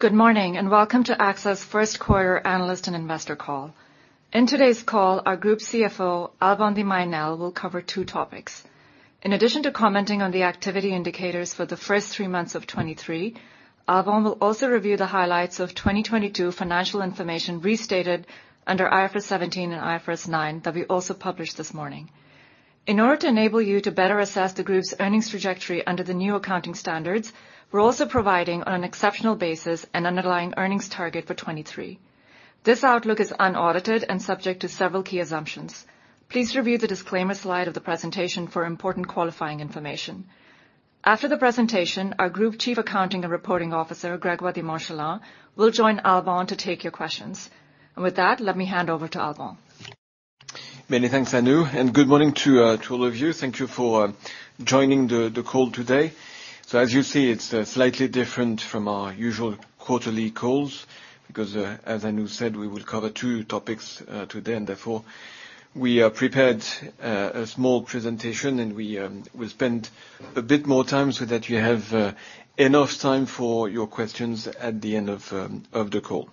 Good morning, welcome to AXA's first quarter analyst and investor call. In today's call, our Group Chief Financial Officer, Alban de Mailly Nesle, will cover two topics. In addition to commenting on the activity indicators for the first three months of 2023, Alban will also review the highlights of 2022 financial information restated under IFRS 17 and IFRS 9 that we also published this morning. In order to enable you to better assess the group's earnings trajectory under the new accounting standards, we're also providing on an exceptional basis an underlying earnings target for 2023. This outlook is unaudited and subject to several key assumptions. Please review the disclaimer slide of the presentation for important qualifying information. After the presentation, our Group Chief Accounting and Reporting Officer, Grégoire de Montchalin, will join Alban to take your questions. With that, let me hand over to Alban. Many thanks, Anu, good morning to all of you. Thank you for joining the call today. As you see, it's slightly different from our usual quarterly calls because as Anu said, we will cover two topics today, and therefore, we have prepared a small presentation and we spend a bit more time so that you have enough time for your questions at the end of the call.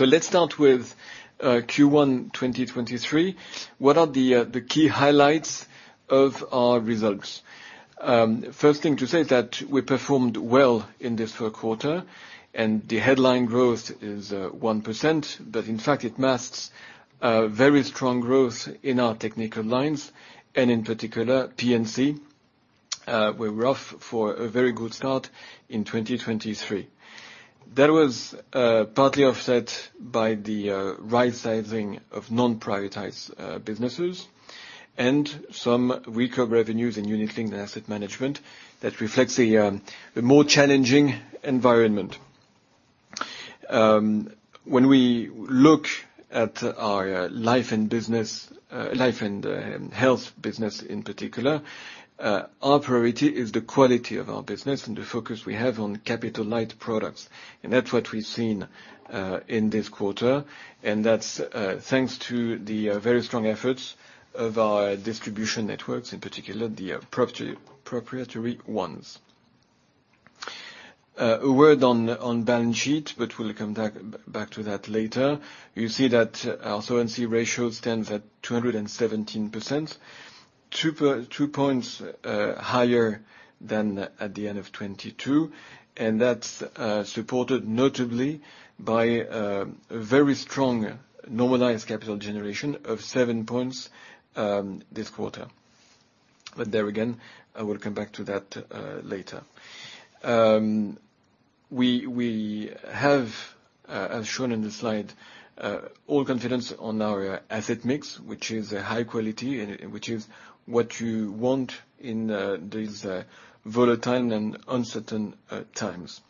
Let's start with Q1 2023. What are the key highlights of our results? First thing to say that we performed well in this first quarter, and the headline growth is 1%, but in fact, it masks very strong growth in our technical lines, and in particular, P&C. We're off for a very good start in 2023. That was partly offset by the right sizing of non-prioritized businesses and some weaker revenues in Unit-Linked and Asset Management. That reflects a more challenging environment. When we look at our Life and health business in particular, our priority is the quality of our business and the focus we have on capital-light products, and that's what we've seen in this quarter, and that's thanks to the very strong efforts of our distribution networks, in particular, the proprietary ones. A word on balance sheet. We'll come back to that later. You see that our solvency ratio stands at 217%, two points higher than at the end of 2022, That's supported notably by a very strong normalized capital generation of seven points this quarter. There again, I will come back to that later. We have as shown in the slide, all confidence on our asset mix, which is a high quality and which is what you want in these volatile and uncertain times.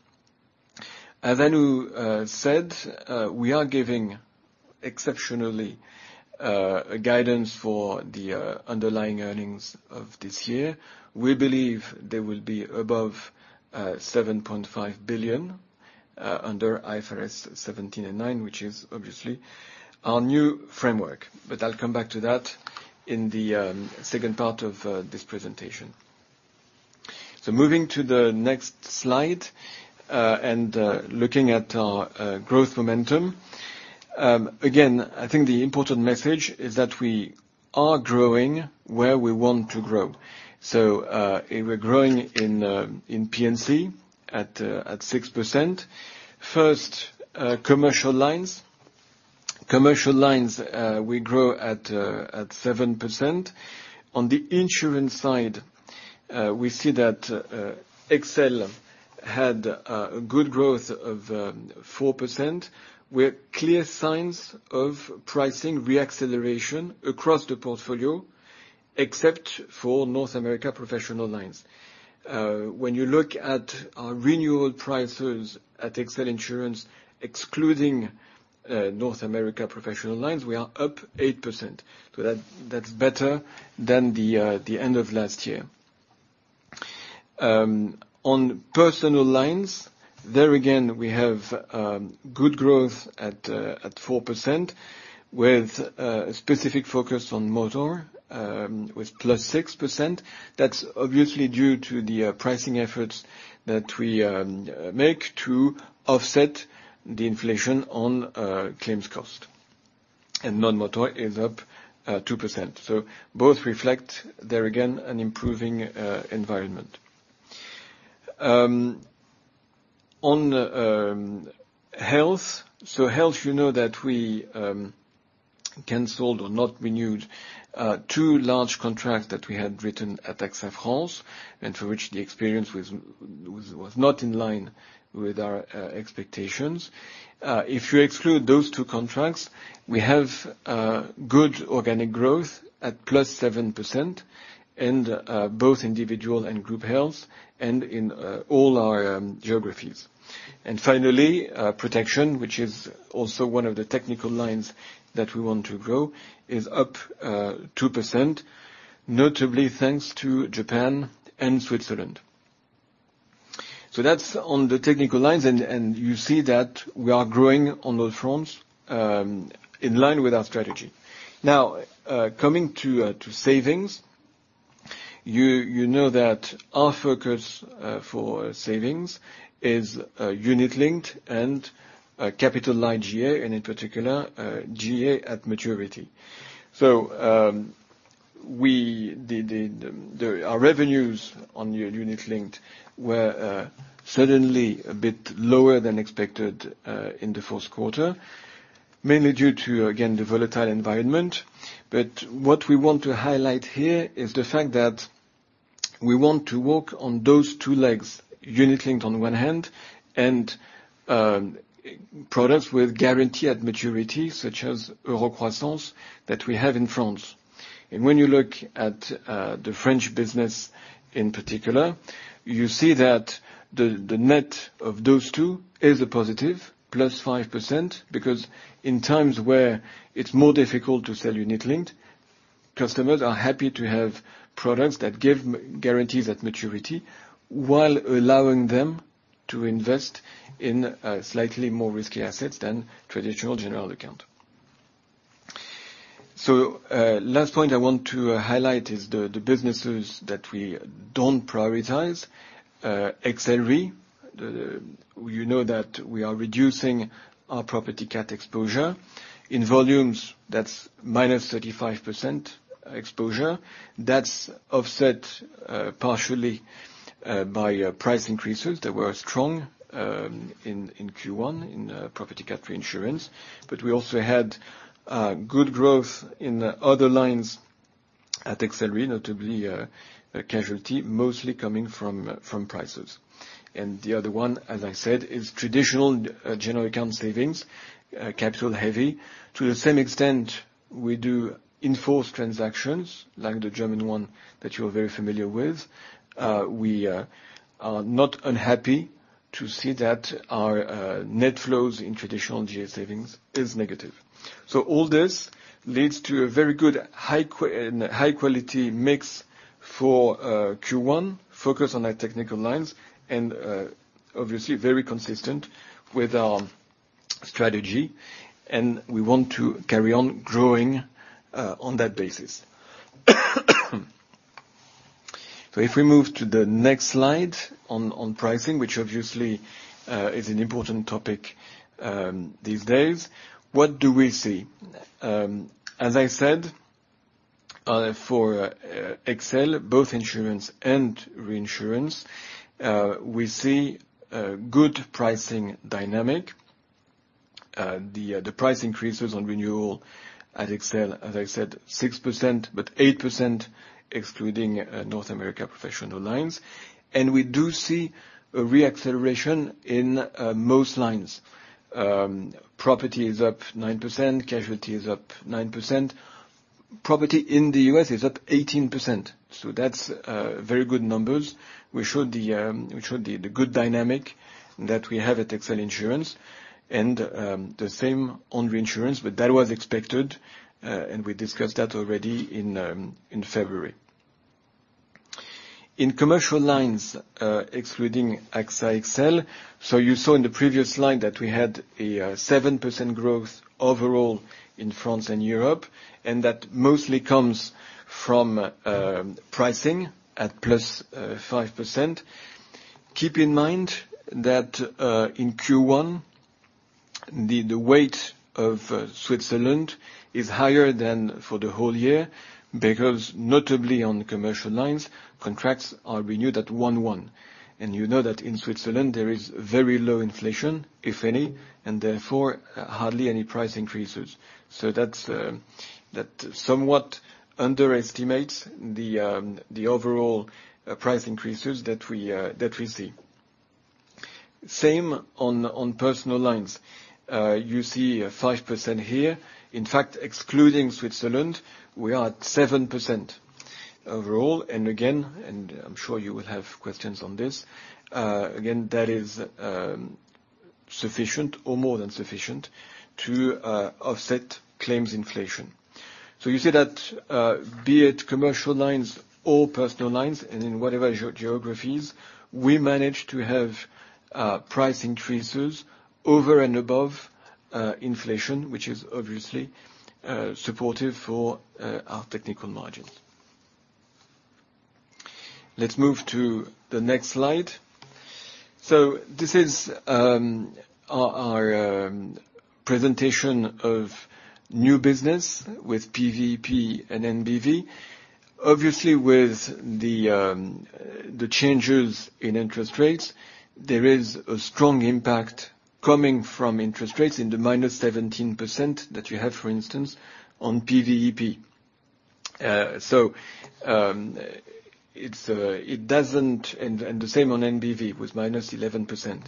As Anu said, we are giving exceptionally guidance for the underlying earnings of this year. We believe they will be above 7.5 billion under IFRS 17 and 9, which is obviously our new framework. I'll come back to that in the second part of this presentation. Moving to the next slide, and looking at our growth momentum. Again, I think the important message is that we are growing where we want to grow. We're growing in P&C at 6%. First, Commercial Lines. Commercial Lines, we grow at 7%. On the insurance side, we see that XL had good growth of 4% with clear signs of pricing re-acceleration across the portfolio, except for North America Professional Lines. When you look at our renewal prices at XL Insurance, excluding North America Professional Lines, we are up 8%. That's better than the end of last year. On personal lines, there again, we have good growth at 4% with a specific focus on motor, with +6%. That's obviously due to the pricing efforts that we make to offset the inflation on claims cost. Non-motor is up 2%. Both reflect, there again, an improving environment. On health. Health, you know that we canceled or not renewed two large contracts that we had written at AXA Health and for which the experience was not in line with our expectations. If you exclude those two contracts, we have good organic growth at +7% in both individual and group health and in all our geographies. Finally, protection, which is also one of the technical lines that we want to grow, is up 2%, notably thanks to Japan and Switzerland. That's on the technical lines, and you see that we are growing on all fronts in line with our strategy. Coming to savings. You know that our focus for savings is Unit-Linked and capital like GA, and in particular, GA at maturity. Our revenues on Unit-Linked were suddenly a bit lower than expected in the first quarter, mainly due to, again, the volatile environment. What we want to highlight here is the fact that we want to walk on those two legs, Unit-Linked on one hand, and products with guarantee at maturity, such as Euro Croissance, that we have in France. When you look at the French business in particular, you see that the net of those two is a positive, +5%, because in times where it's more difficult to sell Unit-Linked, customers are happy to have products that give guarantees at maturity while allowing them to invest in slightly more risky assets than traditional general account. Last point I want to highlight is the businesses that we don't prioritize. XL Re, you know that we are reducing our property cat exposure. In volumes, that's -35% exposure. That's offset partially by price increases that were strong in Q1 in property cat reinsurance, but we also had good growth in the other lines at XL Re, notably casualty, mostly coming from prices. The other one, as I said, is traditional general account savings, capital heavy. To the same extent, we do in-force transactions like the German one that you are very familiar with. We are not unhappy to see that our net flows in traditional GA savings is negative. All this leads to a very good, high quality mix for Q1, focus on our technical lines and obviously very consistent with our strategy, and we want to carry on growing on that basis. If we move to the next slide on pricing, which obviously is an important topic these days. What do we see? As I said, for XL, both insurance and reinsurance, we see a good pricing dynamic. The price increases on renewal at XL, as I said, 6%, but 8% excluding North America Professional Lines. We do see a re-acceleration in most lines. Property is up 9%, casualty is up 9%. Property in the U.S. is up 18%, so that's very good numbers. We showed the good dynamic that we have at XL Insurance and the same on reinsurance, but that was expected and we discussed that already in February. In commercial lines, excluding AXA XL. You saw in the previous slide that we had a 7% growth overall in France and Europe, and that mostly comes from pricing at +5%. Keep in mind that in Q1, the weight of Switzerland is higher than for the whole year because notably on commercial lines, contracts are renewed at one-one. You know that in Switzerland, there is very low inflation, if any, and therefore hardly any price increases. That somewhat underestimates the overall price increases that we see. Same on personal lines. You see 5% here. In fact, excluding Switzerland, we are at 7% overall. Again, and I'm sure you will have questions on this, again, that is sufficient or more than sufficient to offset claims inflation. You see that, be it commercial lines or personal lines and in whatever geo-geographies, we manage to have price increases over and above inflation, which is obviously supportive for our technical margins. Let's move to the next slide. This is our presentation of new business with PVP and NBV. Obviously, with the changes in interest rates, there is a strong impact coming from interest rates in the minus 17% that you have, for instance, on PVEP. The same on NBV with minus 11%.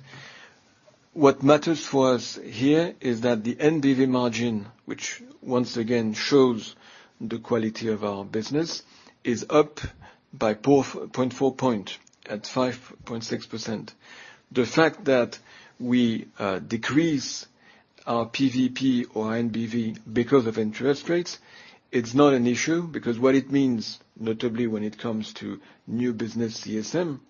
What matters for us here is that the NBV margin, which once again shows the quality of our business, is up by 4.4 points, at 5.6%. The fact that we decrease our PVP or NBV because of interest rates, it's not an issue because what it means, notably when it comes to new business CSMs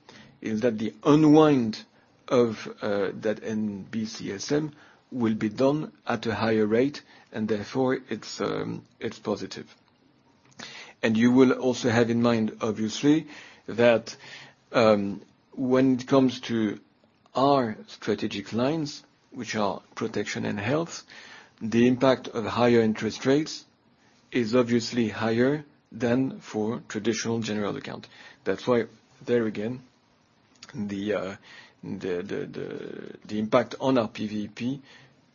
that the unwind of that NB CSM will be done at a higher rate and therefore it's positive. You will also have in mind, obviously, that when it comes to our strategic lines, which are protection and health, the impact of higher interest rates is obviously higher than for traditional general account. That's why there again, the the the the the impact on our PVP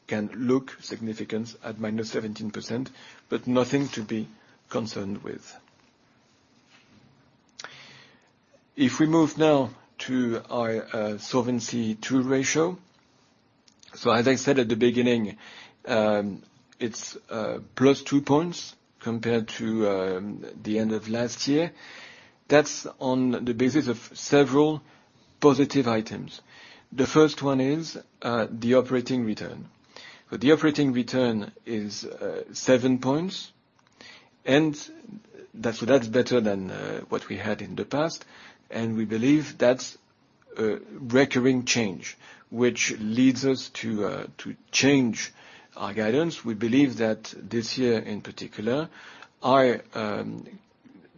can look significant at -17%, but nothing to be concerned with. If we move now to our Solvency II ratio. As I said at the beginning, it's +2 points compared to the end of last year. That's on the basis of several positive items. The first one is the operating return. The operating return is 7 points, and that's, so that's better than what we had in the past. We believe that's a recurring change, which leads us to change our guidance. We believe that this year in particular, our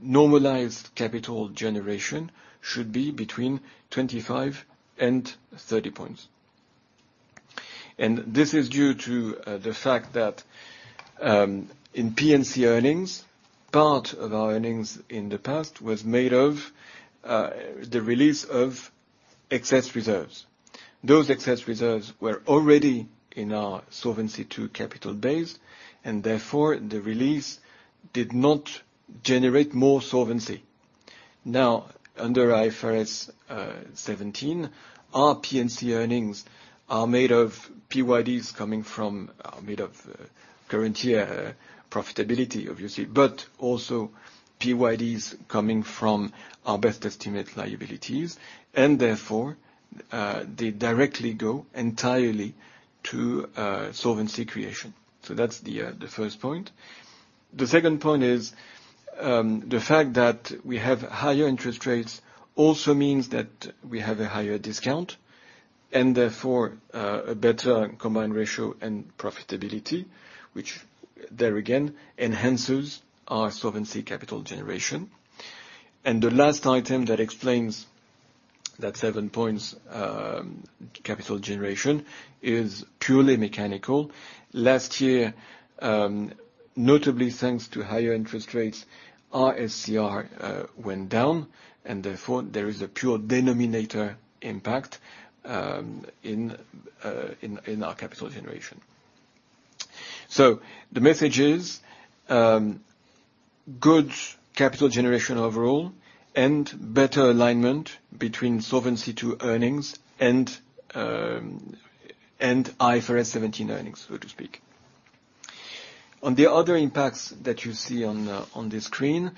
normalized capital generation should be between 25 and 30 points. This is due to the fact that in P&C earnings, part of our earnings in the past was made of the release of excess reserves. Those excess reserves were already in our solvency to capital base, and therefore the release did not generate more solvency. Now, under IFRS 17, our P&C earnings are made of current year profitability, obviously, but also PYDs coming from our best estimate liabilities. Therefore, they directly go entirely to solvency creation. That's the first point. The second point is the fact that we have higher interest rates also means that we have a higher discount, and therefore, a better combined ratio and profitability, which there again enhances our solvency capital generation. The last item that explains that 7 points capital generation is purely mechanical. Last year, notably thanks to higher interest rates, our SCR went down, and therefore there is a pure denominator impact in our capital generation. The message is good capital generation overall and better alignment between solvency to earnings and IFRS 17 earnings, so to speak. On the other impacts that you see on this screen,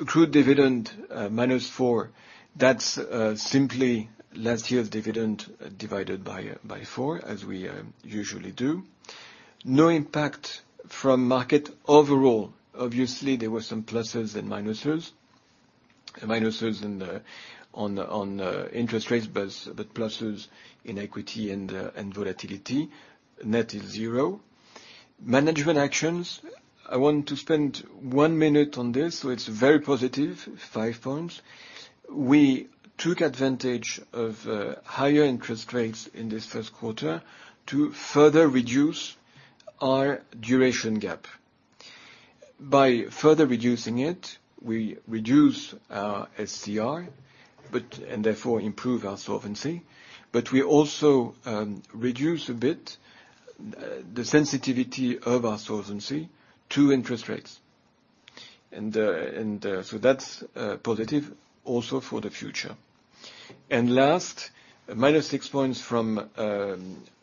accrued dividend, -4. That's simply last year's dividend divided by 4, as we usually do. No impact from market overall. Obviously, there were some pluses and minuses. Minuses in the interest rates, but pluses in equity and volatility. Net is 0. Management actions. I want to spend one minute on this, it's very positive, 5 points. We took advantage of higher interest rates in this first quarter to further reduce our duration gap. By further reducing it, we reduce our SCR, and therefore improve our solvency, but we also reduce a bit the sensitivity of our solvency to interest rates. That's positive also for the future. Last, -6 points from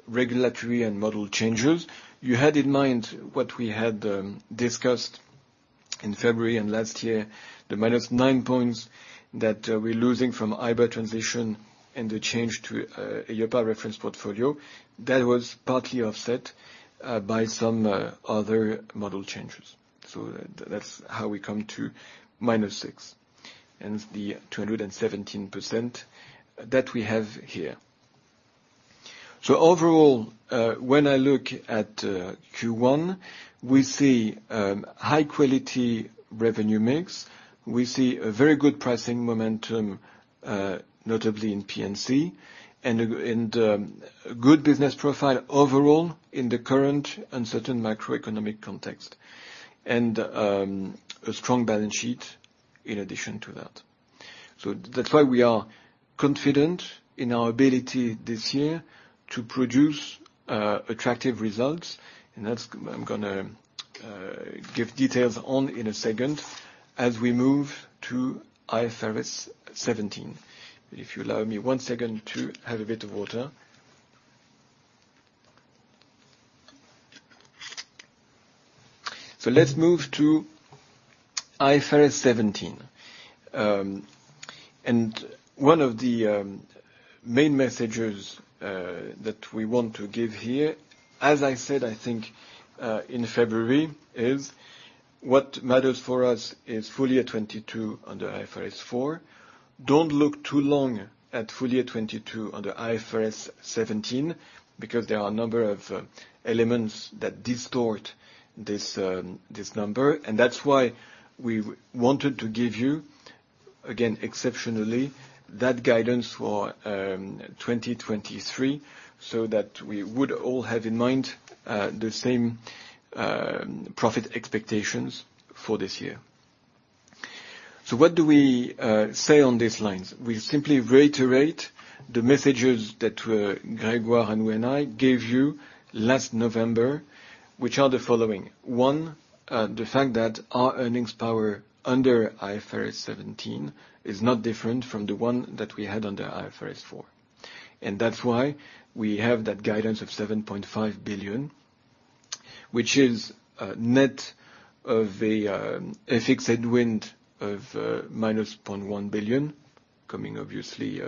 regulatory and model changes. You had in mind what we had discussed in February and last year, the -9 points that we're losing from Eibar transition and the change to European reference portfolio. That was partly offset by some other model changes. That's how we come to -6 and the 217% that we have here. Overall, when I look at Q1, we see high quality revenue mix. We see a very good pricing momentum, notably in P&C and good business profile overall in the current uncertain macroeconomic context, and a strong balance sheet in addition to that. That's why we are confident in our ability this year to produce attractive results, and that's, I'm gonna give details on in a second as we move to IFRS 17. If you allow me one second to have a bit of water. Let's move to IFRS 17. One of the main messages that we want to give here, as I said, I think, in February, is what matters for us is full year 22 under IFRS 4. Don't look too long at full year 22 under IFRS 17 because there are a number of elements that distort this number. That's why we wanted to give you, again, exceptionally, that guidance for 2023, so that we would all have in mind the same profit expectations for this year. What do we say on these lines? We simply reiterate the messages that Grégoire, Henri and I gave you last November, which are the following. One, the fact that our earnings power under IFRS 17 is not different from the one that we had under IFRS 4. That's why we have that guidance of 7.5 billion, which is net of a FX headwind of -0.1 billion, coming obviously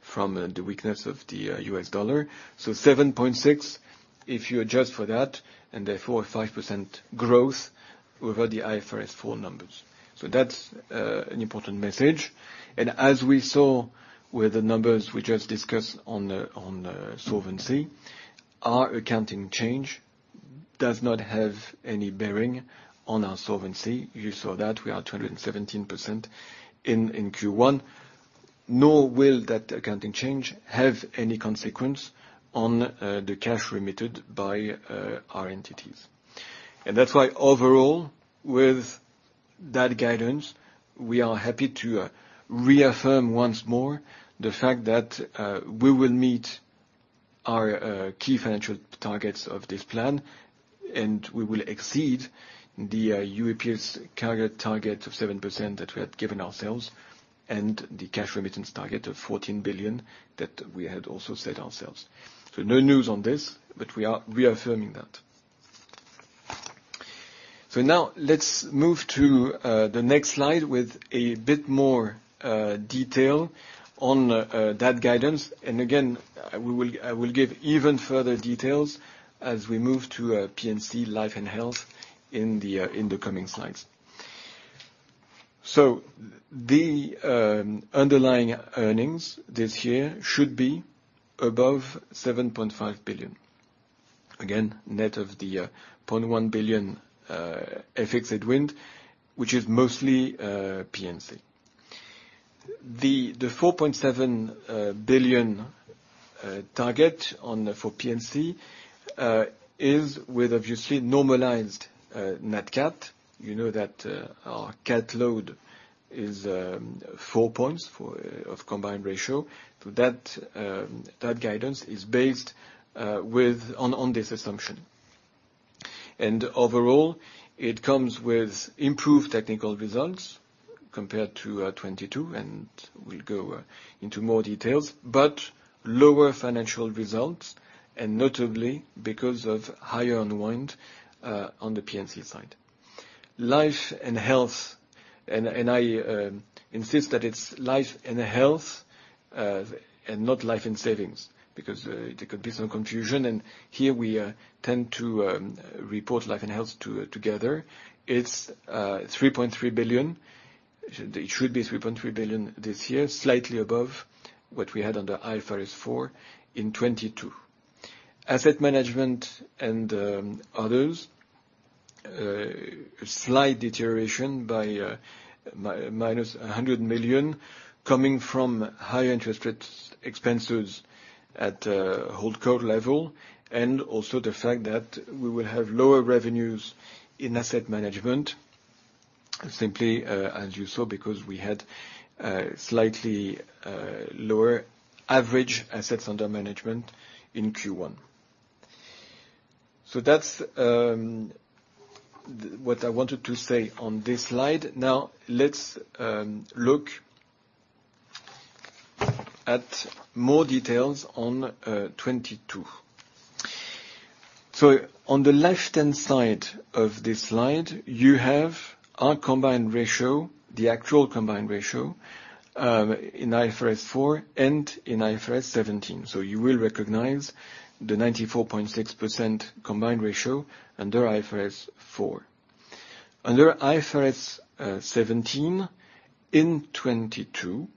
from the weakness of the US dollar. 7.6, if you adjust for that, and therefore 5% growth over the IFRS 4 numbers. That's an important message. As we saw with the numbers we just discussed on solvency, our accounting change does not have any bearing on our solvency. You saw that we are 217% in Q1. Nor will that accounting change have any consequence on the cash remitted by our entities. That's why overall, with that guidance, we are happy to reaffirm once more the fact that we will meet our key financial targets of this plan, and we will exceed the UEPS target of 7% that we had given ourselves, and the cash remittance target of 14 billion that we had also set ourselves. No news on this, but we are reaffirming that. Now let's move to the next slide with a bit more detail on that guidance. Again, I will give even further details as we move to P&C Life and Health in the coming slides. The underlying earnings this year should be above 7.5 billion. Again, net of the 0.1 billion FX headwind, which is mostly P&C. The 4.7 billion target for P&C is with obviously normalized Nat Cat. You know that our Nat Cat load is 4.4% of combined ratio. That guidance is based on this assumption. Overall, it comes with improved technical results compared to 2022, and we'll go into more details, but lower financial results, and notably because of higher unwind on the P&C side. Life and Health, and I insist that it's Life and Health, and not Life & Savings, because there could be some confusion. Here we tend to report Life and Health together. It's 3.3 billion. It should be 3.3 billion this year, slightly above what we had under IFRS 4 in 2022. Asset management and others, slight deterioration by -100 million coming from higher interest rates, expenses at HoldCo level, and also the fact that we will have lower revenues in asset management simply, as you saw, because we had slightly lower average assets under management in Q1. That's what I wanted to say on this slide. Now let's look at more details on 2022. On the left-hand side of this slide, you have our combined ratio, the actual combined ratio, in IFRS 4 and in IFRS 17. You will recognize the 94.6% combined ratio under IFRS 4. Under IFRS 17 in 2022,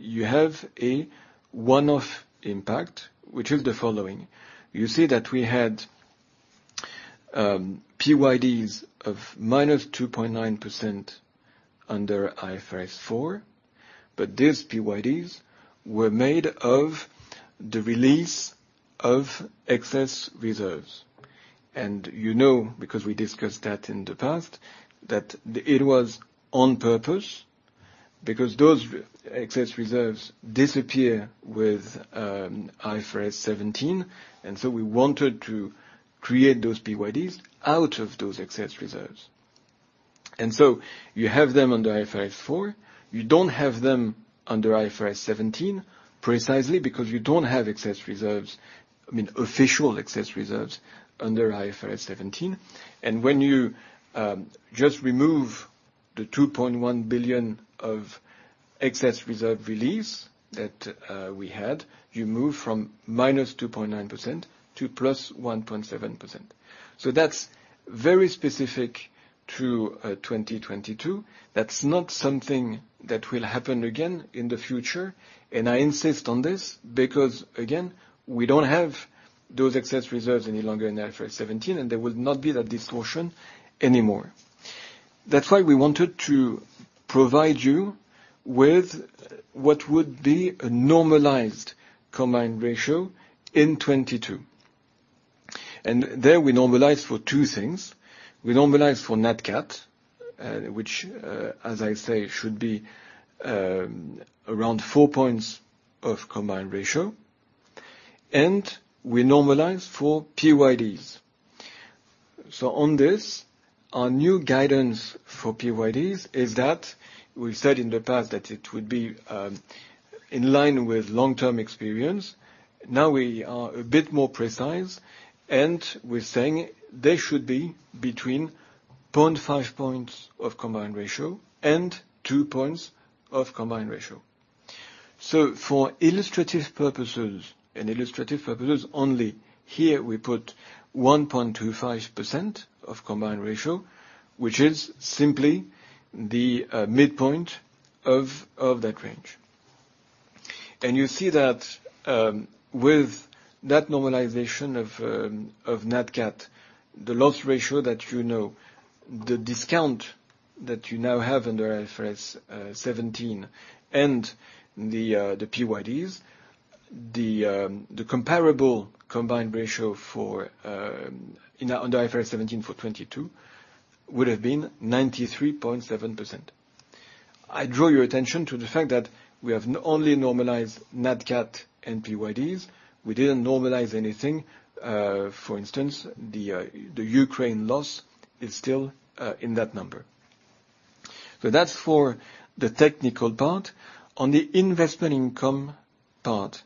you have a one-off impact, which is the following. You see that we had PYDs of -2.9% under IFRS 4. These PYDs were made of the release of excess reserves. You know, because we discussed that in the past, that it was on purpose because those excess reserves disappear with IFRS 17. We wanted to create those PYDs out of those excess reserves. You have them under IFRS 4. You don't have them under IFRS 17 precisely because you don't have excess reserves, I mean official excess reserves under IFRS 17. When you just remove the 2.1 billion of excess reserve release that we had, you move from -2.9%- +1.7%. That's very specific to 2022. That's not something that will happen again in the future. I insist on this because, again, we don't have those excess reserves any longer in IFRS 17, and there will not be that distortion anymore. That's why we wanted to provide you with what would be a normalized combined ratio in 22. There we normalize for two things. We normalize for Nat Cat, which, as I say, should be around 4 points of combined ratio, and we normalize for PYDs. On this, our new guidance for PYDs is that we've said in the past that it would be in line with long-term experience. Now we are a bit more precise, and we're saying they should be between 0.5 points of combined ratio and 2 points of combined ratio. For illustrative purposes, and illustrative purposes only, here we put 1.25% of combined ratio, which is simply the midpoint of that range. You see that, with that normalization of Nat Cat, the loss ratio that you know, the discount that you now have under IFRS 17 and the PYDs, the comparable combined ratio under IFRS 17 for 22 would have been 93.7%. I draw your attention to the fact that we have only normalized Nat Cat and PYDs. We didn't normalize anything. For instance, the Ukraine loss is still in that number. That's for the technical part. On the investment income part,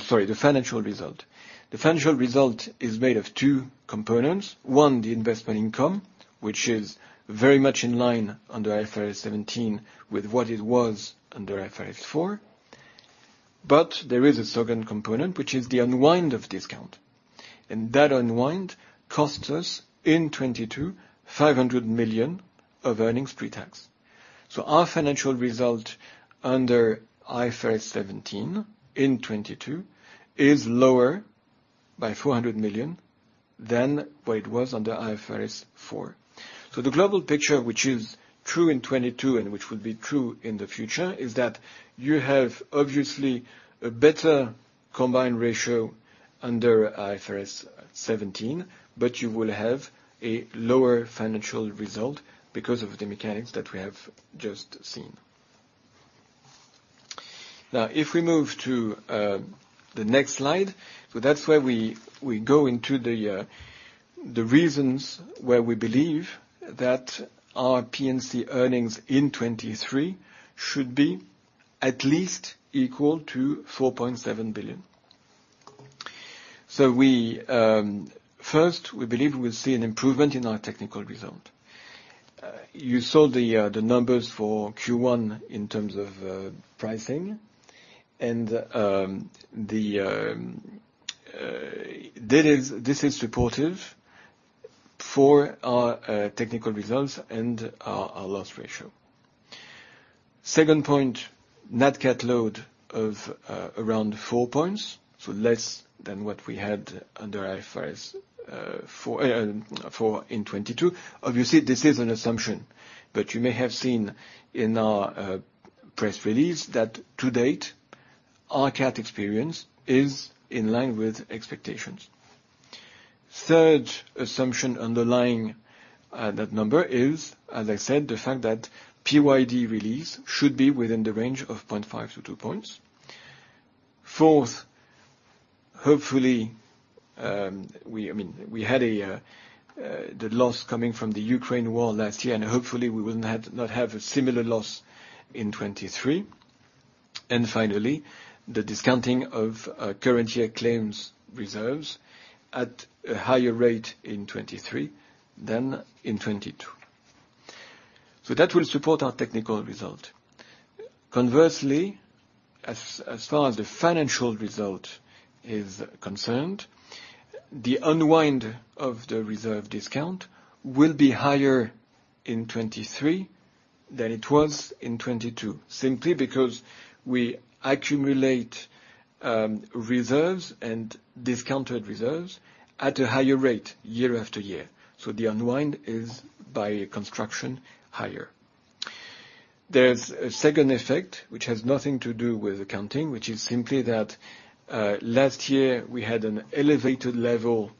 sorry, the financial result. The financial result is made of two components. One, the investment income, which is very much in line under IFRS 17 with what it was under IFRS 4. There is a second component, which is the unwind of discount. That unwind costs us, in 2022, 500 million of earnings pre-tax. Our financial result under IFRS 17 in 2022 is lower by 400 million than what it was under IFRS 4. The global picture, which is true in 2022 and which will be true in the future, is that you have obviously a better combined ratio under IFRS 17, but you will have a lower financial result because of the mechanics that we have just seen. If we move to the next slide. That's where we go into the reasons where we believe that our P&C earnings in 2023 should be at least equal to 4.7 billion. We first believe we'll see an improvement in our technical result. You saw the numbers for Q1 in terms of pricing and this is supportive for our technical results and our loss ratio. Second point, Nat Cat load of around 4 points, so less than what we had under IFRS 4 in 2022. This is an assumption, but you may have seen in our press release that to date, our cat experience is in line with expectations. Third assumption underlying that number is, as I said, the fact that PYD release should be within the range of 0.5-2 points. Fourth, hopefully, I mean, we had a loss coming from the Ukraine war last year, hopefully we will not have a similar loss in 2023. Finally, the discounting of current year claims reserves at a higher rate in 2023 than in 2022. That will support our technical result. Conversely, as far as the financial result is concerned, the unwind of the reserve discount will be higher in 2023 than it was in 2022. Simply because we accumulate reserves and discounted reserves at a higher rate year after year. The unwind is by construction higher. There's a second effect which has nothing to do with accounting, which is simply that last year we had an elevated level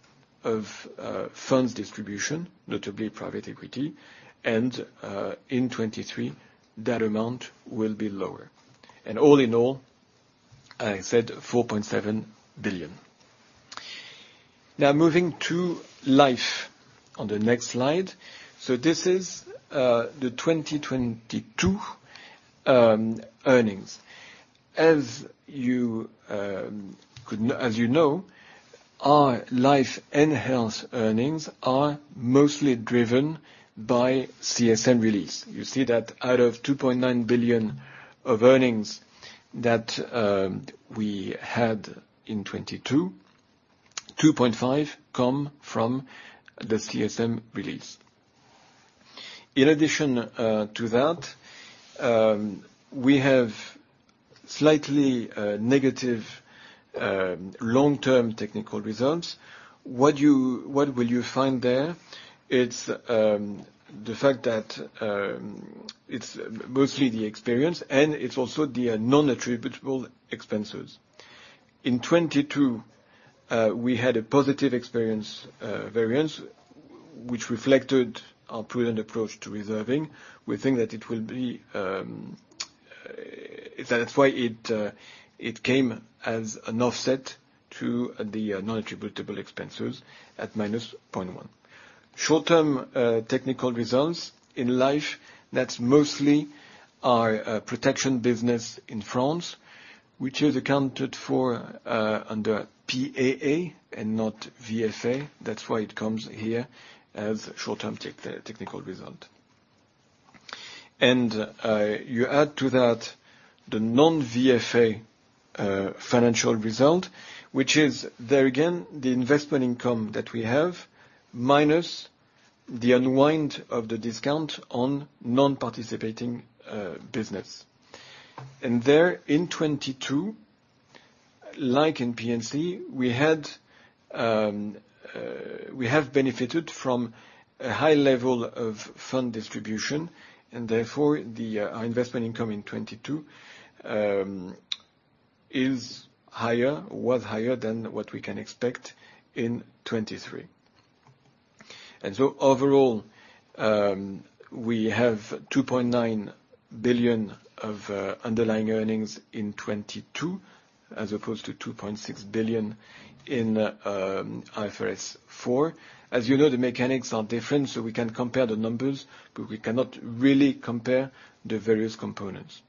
of funds distribution, notably private equity, and in 2023, that amount will be lower. All in all, I said 4.7 billion. Moving to life on the next slide. This is the 2022 earnings. As you know, our life and health earnings are mostly driven by CSM release. You see that out of 2.9 billion of earnings that we had in 2022, 2.5 come from the CSM release. In addition to that, we have slightly negative long-term technical results. What will you find there? It's the fact that it's mostly the experience, and it's also the non-attributable expenses. In 22, we had a positive experience variance, which reflected our prudent approach to reserving. We think that it will be, that's why it came as an offset to the non-attributable expenses at -0.1. Short-term technical results in life, that's mostly our protection business in France, which is accounted for under PAA and not VFA. That's why it comes here as short-term technical result. You add to that the non-VFA financial result, which is there again, the investment income that we have minus the unwind of the discount on non-participating business. There in 22, like in P&C, we have benefited from a high level of fund distribution and therefore our investment income in 22 was higher than what we can expect in 23. Overall, we have 2.9 billion of underlying earnings in 2022 as opposed to 2.6 billion in IFRS 4. As you know, the mechanics are different, so we can compare the numbers, but we cannot really compare the various components.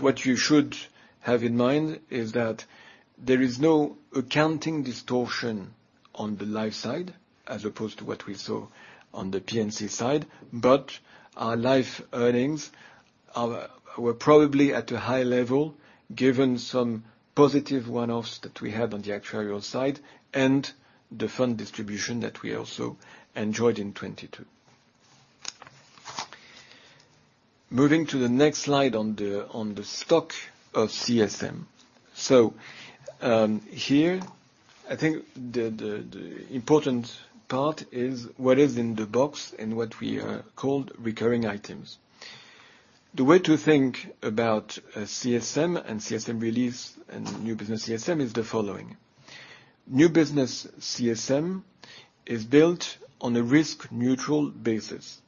What you should have in mind is that there is no accounting distortion on the life side as opposed to what we saw on the P&C side. Our life earnings were probably at a high level, given some positive one-offs that we had on the actuarial side and the fund distribution that we also enjoyed in 2022. Moving to the next slide on the stock of CSM. Here, I think the important part is what is in the box and what we call recurring items. The way to think about CSM and CSM release and new business CSM is the following. New business CSM is built on a risk mutual basis.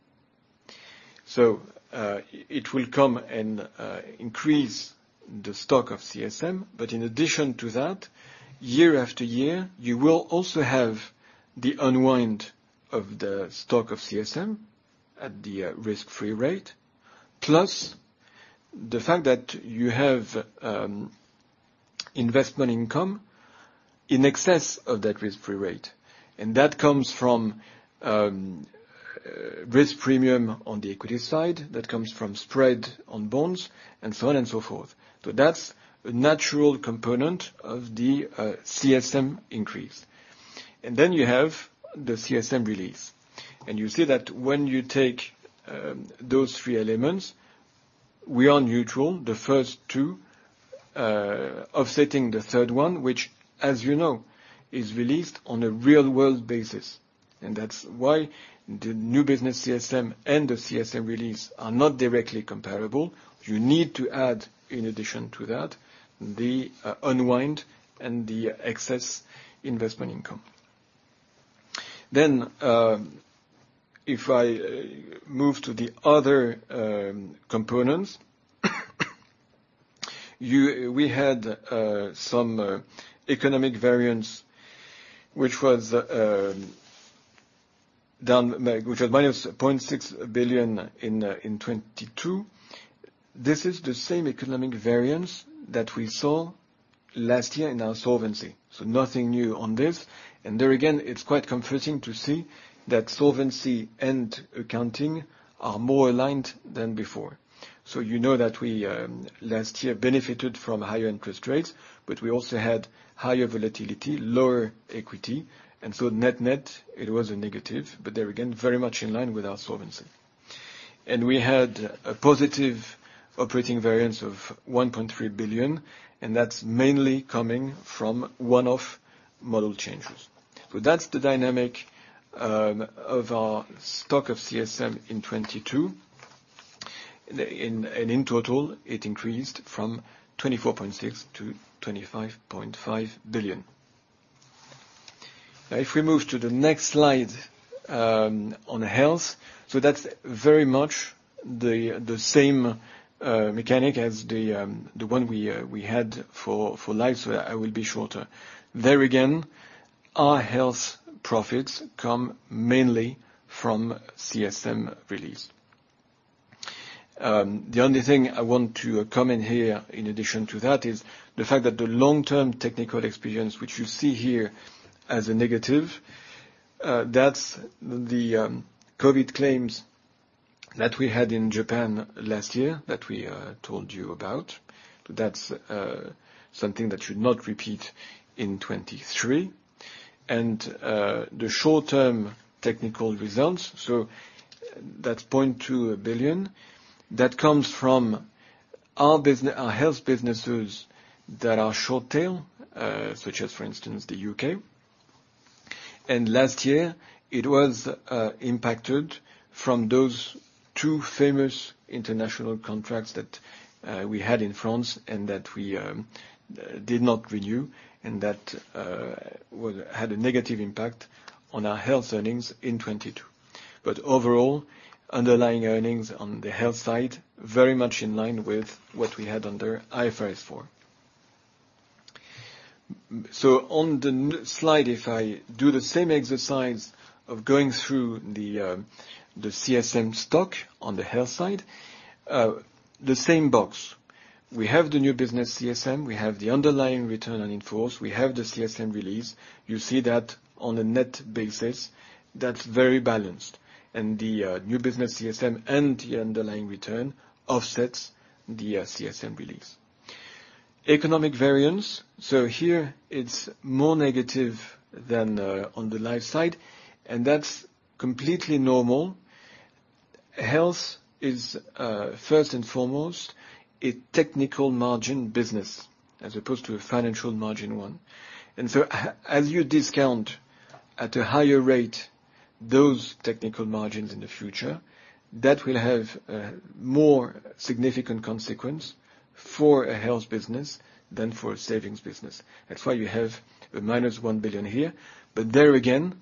It will come and increase the stock of CSM. In addition to that, year after year, you will also have the unwind of the stock of CSM at the risk-free rate, plus the fact that you have investment income in excess of that risk-free rate. That comes from risk premium on the equity side, that comes from spread on bonds, and so on and so forth. That's a natural component of the CSM increase. You have the CSM release. You see that when you take those three elements, we are neutral, the first two offsetting the third one, which as you know, is released on a real-world basis. That's why the new business CSM and the CSM release are not directly comparable. You need to add, in addition to that, the unwind and the excess investment income. If I move to the other components, we had some economic variance, which was down by, which was -0.6 billion in 2022. This is the same economic variance that we saw last year in our solvency, so nothing new on this. There again, it's quite comforting to see that solvency and accounting are more aligned than before. You know that we last year benefited from higher interest rates, but we also had higher volatility, lower equity, and so net-net, it was a negative. There again, very much in line with our solvency. We had a positive operating variance of 1.3 billion, and that's mainly coming from one-off model changes. That's the dynamic of our stock of CSM in 2022. In total, it increased from 24.6 billion to 25.5 billion. We move to the next slide on health. That's very much the same mechanic as the one we had for life, so I will be shorter. Our health profits come mainly from CSM release. The only thing I want to comment here in addition to that is the fact that the long-term technical experience, which you see here as a negative, that's the COVID claims that we had in Japan last year that we told you about. That's something that should not repeat in 2023. The short-term technical results, that's 0.2 billion. That comes from our health businesses that are short tail, such as, for instance, the U.K. Last year it was impacted from those two famous international contracts that we had in France and that we did not renew, and that had a negative impact on our health earnings in 2022. Overall, underlying earnings on the health side, very much in line with what we had under IFRS 4. On the slide, if I do the same exercise of going through the CSM stock on the health side, the same box. We have the new business CSM, we have the underlying return on in-force, we have the CSM release. You see that on a net basis, that's very balanced. The new business CSM and the underlying return offsets the CSM release. Economic variance. Here it's more negative than on the life side, and that's completely normal. Health is first and foremost a technical margin business as opposed to a financial margin one. As you discount at a higher rate those technical margins in the future, that will have more significant consequence for a health business than for a savings business. That's why you have a -1 billion here. There again,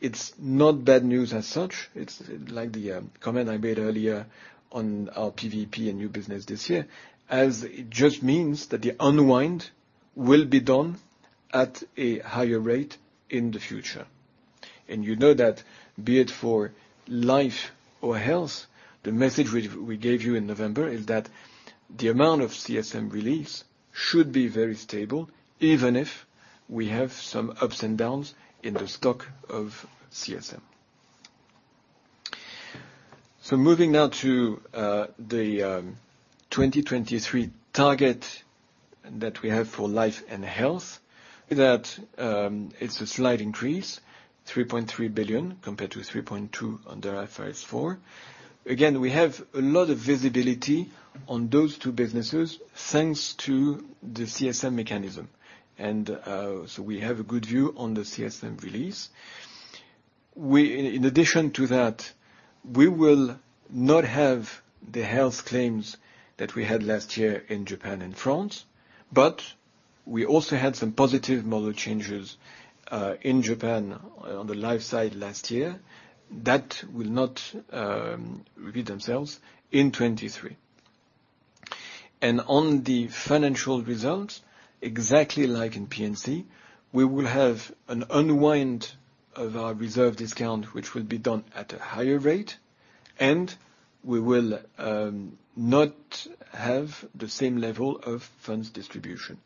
it's not bad news as such. It's like the comment I made earlier on our PVP and new business this year, as it just means that the unwind will be done at a higher rate in the future. You know that be it for life or health, the message we gave you in November is that the amount of CSM release should be very stable, even if we have some ups and downs in the stock of CSM. Moving now to the 2023 target that we have for Life and Health. It's a slight increase, 3.3 billion compared to 3.2 billion under IFRS 4. Again, we have a lot of visibility on those two businesses, thanks to the CSM mechanism. We have a good view on the CSM release. In addition to that, we will not have the health claims that we had last year in Japan and France, but we also had some positive model changes in Japan on the life side last year that will not repeat themselves in 2023. On the financial results, exactly like in P&C, we will have an unwind of our reserve discount, which will be done at a higher rate, and we will not have the same level of funds distribution.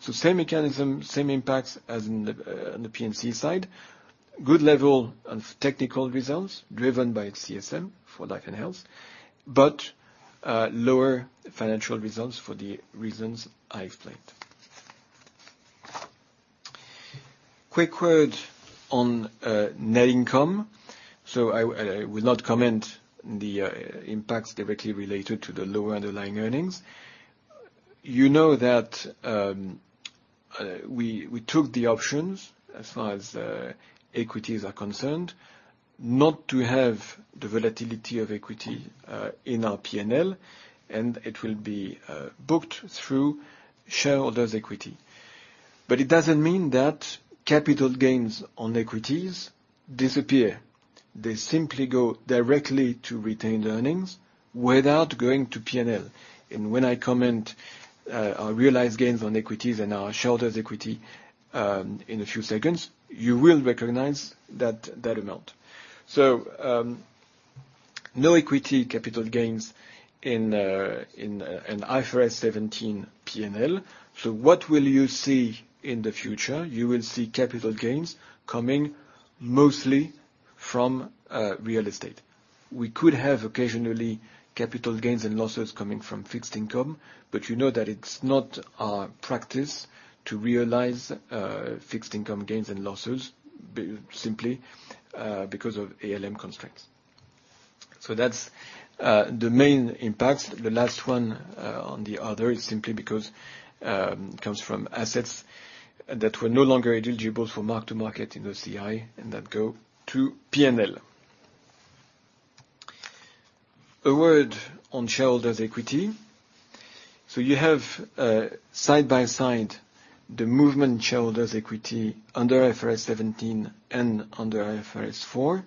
Same mechanism, same impacts as in the on the P&C side. Good level of technical results driven by CSM for life & health, but lower financial results for the reasons I explained. Quick word on net income. I will not comment on the impacts directly related to the lower underlying earnings. You know that we took the options as far as equities are concerned, not to have the volatility of equity in our P&L, and it will be booked through shareholders' equity. It doesn't mean that capital gains on equities disappear. They simply go directly to retained earnings without going to P&L. When I comment our realized gains on equities and our shareholders' equity in a few seconds, you will recognize that amount. No equity capital gains in an IFRS 17 P&L. What will you see in the future? You will see capital gains coming mostly from real estate. We could have occasionally capital gains and losses coming from fixed income, but you know that it's not our practice to realize fixed income gains and losses simply because of ALM constraints. That's the main impacts. The last one on the other is simply because it comes from assets that were no longer eligible for mark-to-market in the CI and that go to P&L. A word on shareholders' equity. You have side by side the movement in shareholders' equity under IFRS 17 and under IFRS 4.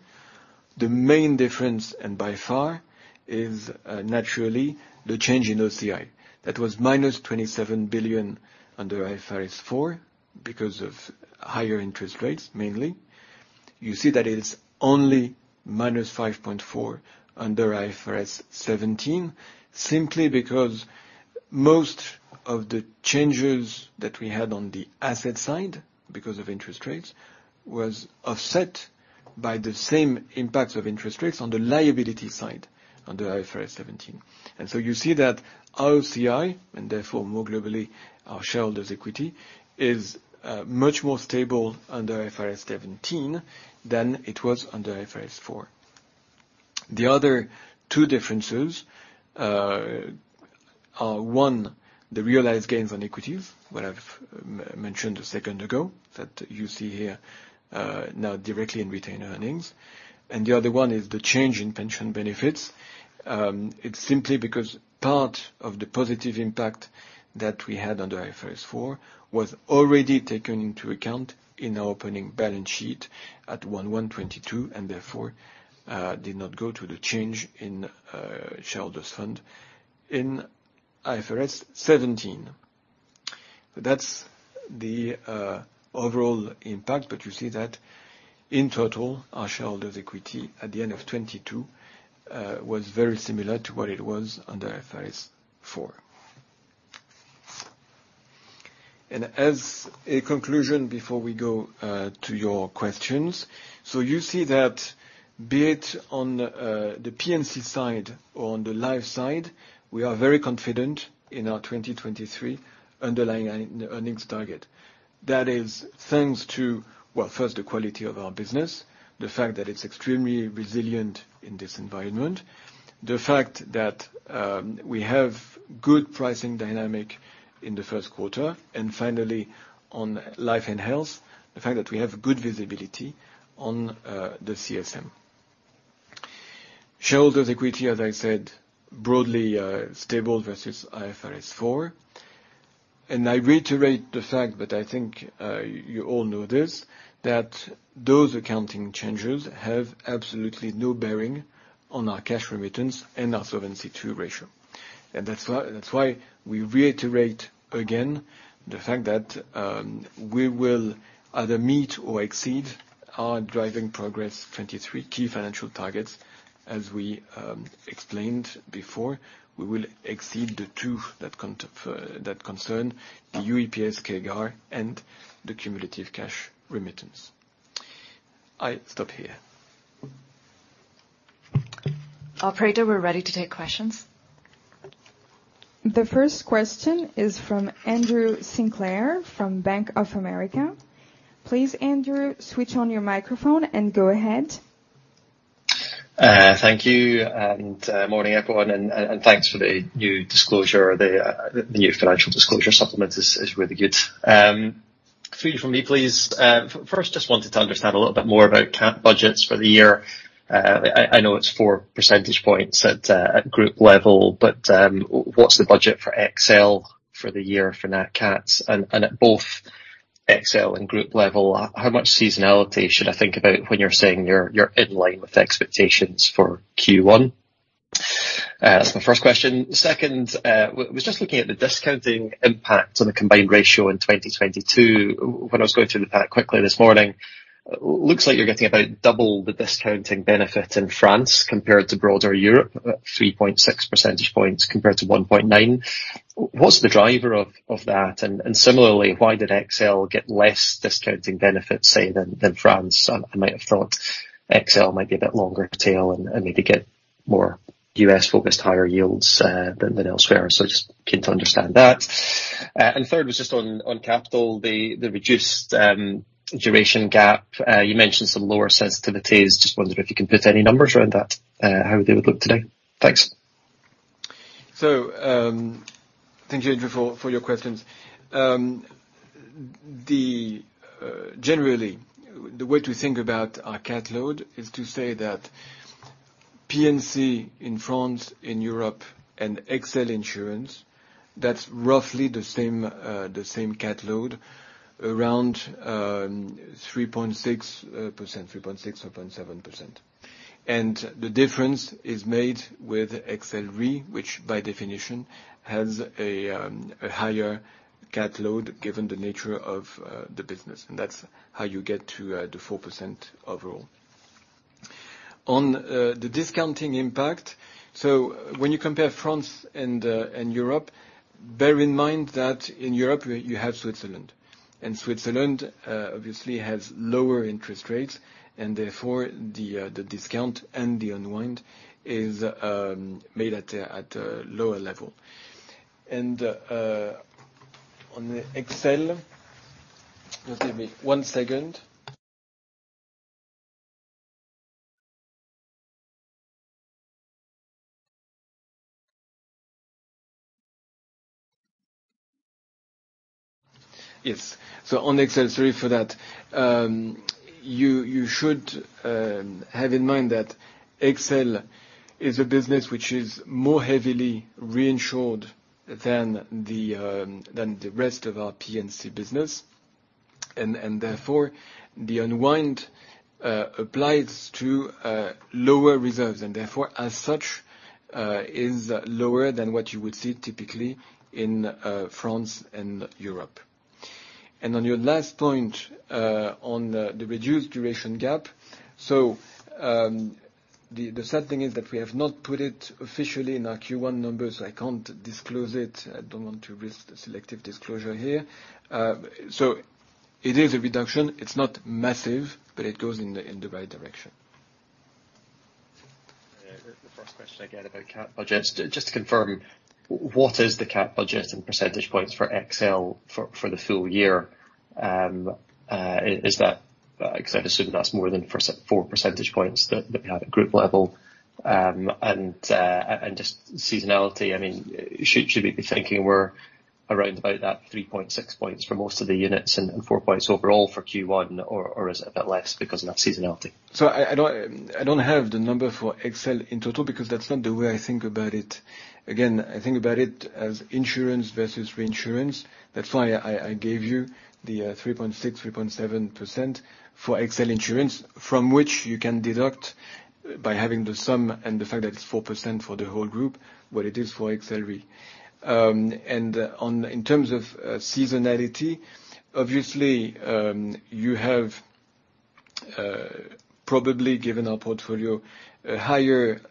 The main difference, and by far, is naturally the change in OCI. That was -27 billion under IFRS 4 because of higher interest rates mainly. You see that it is only -5.4 billion under IFRS 17, simply because most of the changes that we had on the asset side because of interest rates was offset by the same impacts of interest rates on the liability side under IFRS 17. You see that our OCI, and therefore more globally our shareholders' equity, is much more stable under IFRS 17 than it was under IFRS 4. The other two differences are one, the realized gains on equities, what I've mentioned a second ago that you see here, now directly in retained earnings. The other one is the change in pension benefits. It's simply because part of the positive impact that we had under IFRS 4 was already taken into account in our opening balance sheet at 1/1/2022, and therefore did not go to the change in shareholders' fund in IFRS 17. That's the overall impact. You see that in total, our shareholders' equity at the end of 2022 was very similar to what it was under IFRS 4. As a conclusion before we go to your questions. You see that be it on the P&C side or on the life side, we are very confident in our 2023 underlying earnings target. That is thanks to, well, first the quality of our business, the fact that it's extremely resilient in this environment, the fact that we have good pricing dynamic in the first quarter. Finally, on life and health, the fact that we have good visibility on the CSM. Shareholders' equity, as I said, broadly stable versus IFRS 4. I reiterate the fact that I think you all know this, that those accounting changes have absolutely no bearing on our cash remittance and our Solvency II ratio. That's why we reiterate again the fact that we will either meet or exceed our Driving Progress 2023 key financial targets. As we explained before, we will exceed the two that concern the UEPS CAGR and the cumulative cash remittance. I stop here. Operator, we're ready to take questions. The first question is from Andrew Sinclair from Bank of America. Please, Andrew, switch on your microphone and go ahead. Thank you, and morning, everyone. Thanks for the new disclosure. The new financial disclosure supplement is really good. Three from me, please. First, just wanted to understand a little bit more about Nat Cat budgets for the year. I know it's four percentage points at group level, but, what's the budget for XL for the year for Nat Cats? At both XL and group level, how much seasonality should I think about when you're saying you're in line with expectations for Q1? That's my first question. Second, was just looking at the discounting impact on the combined ratio in 2022. When I was going through the pack quickly this morning, looks like you're getting about double the discounting benefit in France compared to broader Europe, at 3.6 percentage points compared to 1.9. What's the driver of that? Similarly, why did XL get less discounting benefits, say, than France? I might have thought XL might be a bit longer tail and maybe get more US-focused higher yields than elsewhere. Just keen to understand that. Third was just on capital, the reduced duration gap. You mentioned some lower sensitivities. Just wondering if you can put any numbers around that, how they would look today. Thanks. Thank you, Andrew, for your questions. Generally, the way to think about our cat load is to say that P&C in France, in Europe and XL Insurance, that's roughly the same cat load, around 3.6%, 3.67%. The difference is made with XL Re, which by definition has a higher cat load given the nature of the business, and that's how you get to the 4% overall. On the discounting impact. When you compare France and Europe, bear in mind that in Europe you have Switzerland, and Switzerland obviously has lower interest rates and therefore the discount and the unwind is made at a lower level. On XL. Just give me one second. Yes. On XL, sorry for that. You should have in mind that XL is a business which is more heavily reinsured than the rest of our P&C business. Therefore, the unwind applies to lower reserves, and therefore, as such, is lower than what you would see typically in France and Europe. On your last point, on the reduced duration gap. The sad thing is that we have not put it officially in our Q1 numbers, so I can't disclose it. I don't want to risk selective disclosure here. It is a reduction. It's not massive, but it goes in the right direction. The first question again about cat budgets. Just to confirm, what is the cat budget in percentage points for XL for the full year? Is that 'cause I assume that's more than 4 percentage points that we had at group level. Just seasonality, I mean, should we be thinking we're around about that 3.6 points for most of the units and four points overall for Q1, or is it a bit less because of that seasonality? I don't have the number for XL in total because that's not the way I think about it. I think about it as insurance versus reinsurance. That's why I gave you the 3.6%-3.7% for XL Insurance, from which you can deduct by having the sum and the fact that it's 4% for the whole group, what it is for XL Re. In terms of seasonality, obviously, you have probably given our portfolio a higher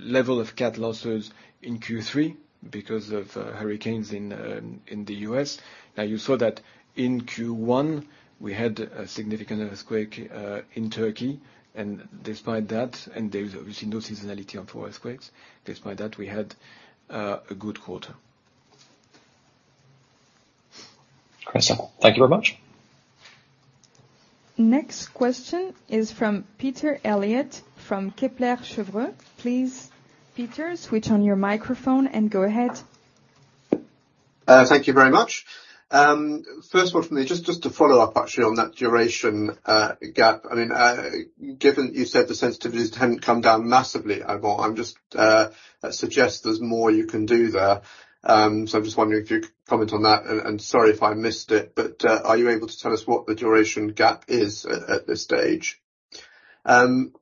level of cat losses in Q3 because of hurricanes in the U.S. You saw that in Q1 we had a significant earthquake in Turkey, and despite that, there's obviously no seasonality for earthquakes, despite that, we had a good quarter. Awesome. Thank you very much. Next question is from Peter Eliot from Kepler Cheuvreux. Please, Peter, switch on your microphone and go ahead. Thank you very much. First one from me, just to follow up actually on that duration gap. I mean, given you said the sensitivities hadn't come down massively, Alban, I just suggest there's more you can do there. I'm just wondering if you could comment on that. Sorry if I missed it, but are you able to tell us what the duration gap is at this stage?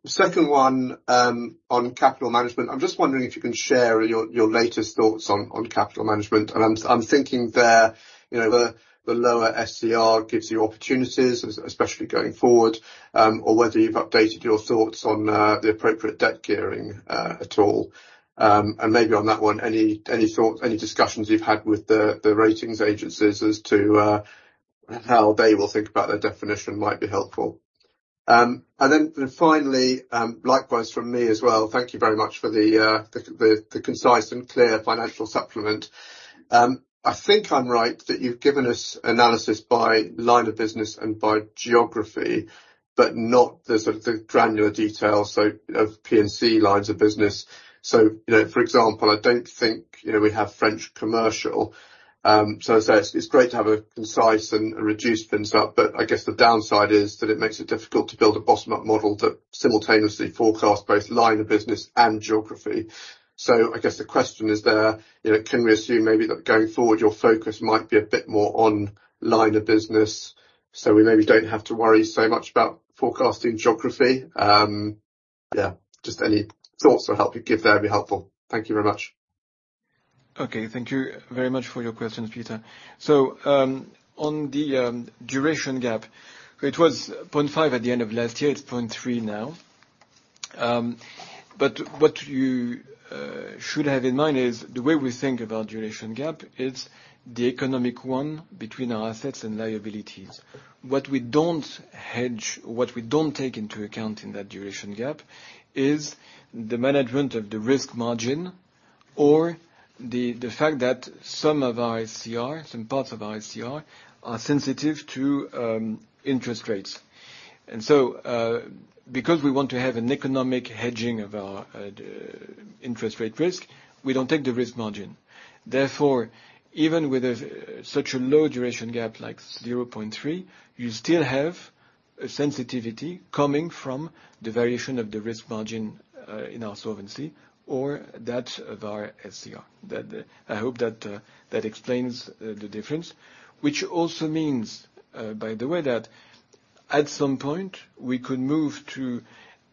Second one on capital management. I'm just wondering if you can share your latest thoughts on capital management. I'm thinking there, you know, the lower SCR gives you opportunities, especially going forward, or whether you've updated your thoughts on the appropriate debt gearing at all. Maybe on that one, any thoughts, any discussions you've had with the ratings agencies as to how they will think about their definition might be helpful. Finally, likewise from me as well, thank you very much for the concise and clear financial supplement. I think I'm right that you've given us analysis by line of business and by geography, but not the sort of the granular detail of P&C lines of business. You know, for example, I don't think, you know, we have French commercial. As I say, it's great to have a concise and a reduced printout, but I guess the downside is that it makes it difficult to build a bottom-up model that simultaneously forecast both line of business and geography. I guess the question is there, you know, can we assume maybe that going forward, your focus might be a bit more on line of business, so we maybe don't have to worry so much about forecasting geography? Yeah, just any thoughts or help you give there would be helpful. Thank you very much. Okay. Thank you very much for your questions, Peter. On the duration gap, it was 0.5 at the end of last year. It's 0.3 now. What you should have in mind is the way we think about duration gap is the economic one between our assets and liabilities. What we don't hedge, what we don't take into account in that duration gap is the management of the risk margin or the fact that some of our SCR, some parts of our SCR are sensitive to interest rates. Because we want to have an economic hedging of our interest rate risk, we don't take the risk margin. Even with such a low duration gap like 0.3, you still have a sensitivity coming from the variation of the risk margin in our solvency or that of our SCR. I hope that explains the difference, which also means, by the way, that at some point, we could move to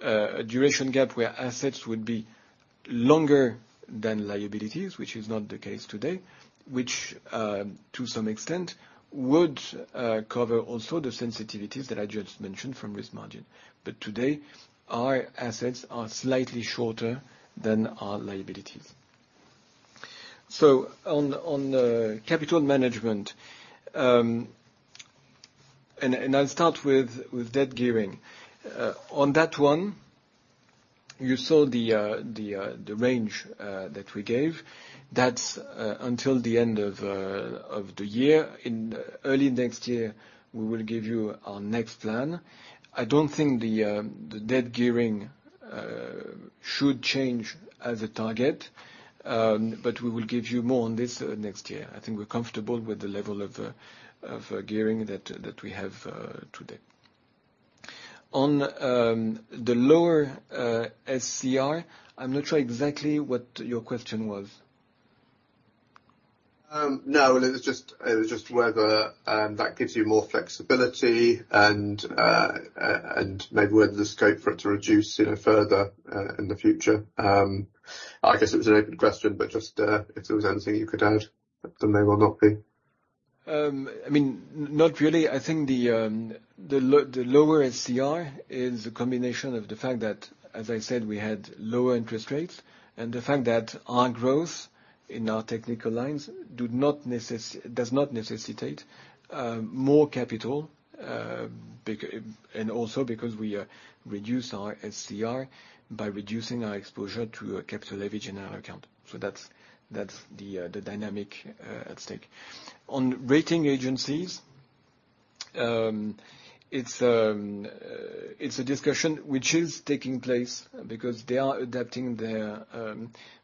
a duration gap where assets would be longer than liabilities, which is not the case today, which to some extent would cover also the sensitivities that I just mentioned from risk margin. Today, our assets are slightly shorter than our liabilities. On capital management, and I'll start with debt gearing. On that one, you saw the range that we gave. That's until the end of the year. In early next year, we will give you our next plan. I don't think the debt gearing should change as a target, but we will give you more on this next year. I think we're comfortable with the level of gearing that we have today. On the lower SCR, I'm not sure exactly what your question was. No. It was just whether that gives you more flexibility and maybe whether the scope for it to reduce it further in the future. I guess it was an open question, but just if there was anything you could add that may well not be. I mean, not really. I think the lower SCR is a combination of the fact that, as I said, we had lower interest rates and the fact that our growth in our technical lines does not necessitate more capital. Also because we reduce our SCR by reducing our exposure to a capital leverage in our account. That's the dynamic at stake. On rating agencies, it's a discussion which is taking place because they are adapting their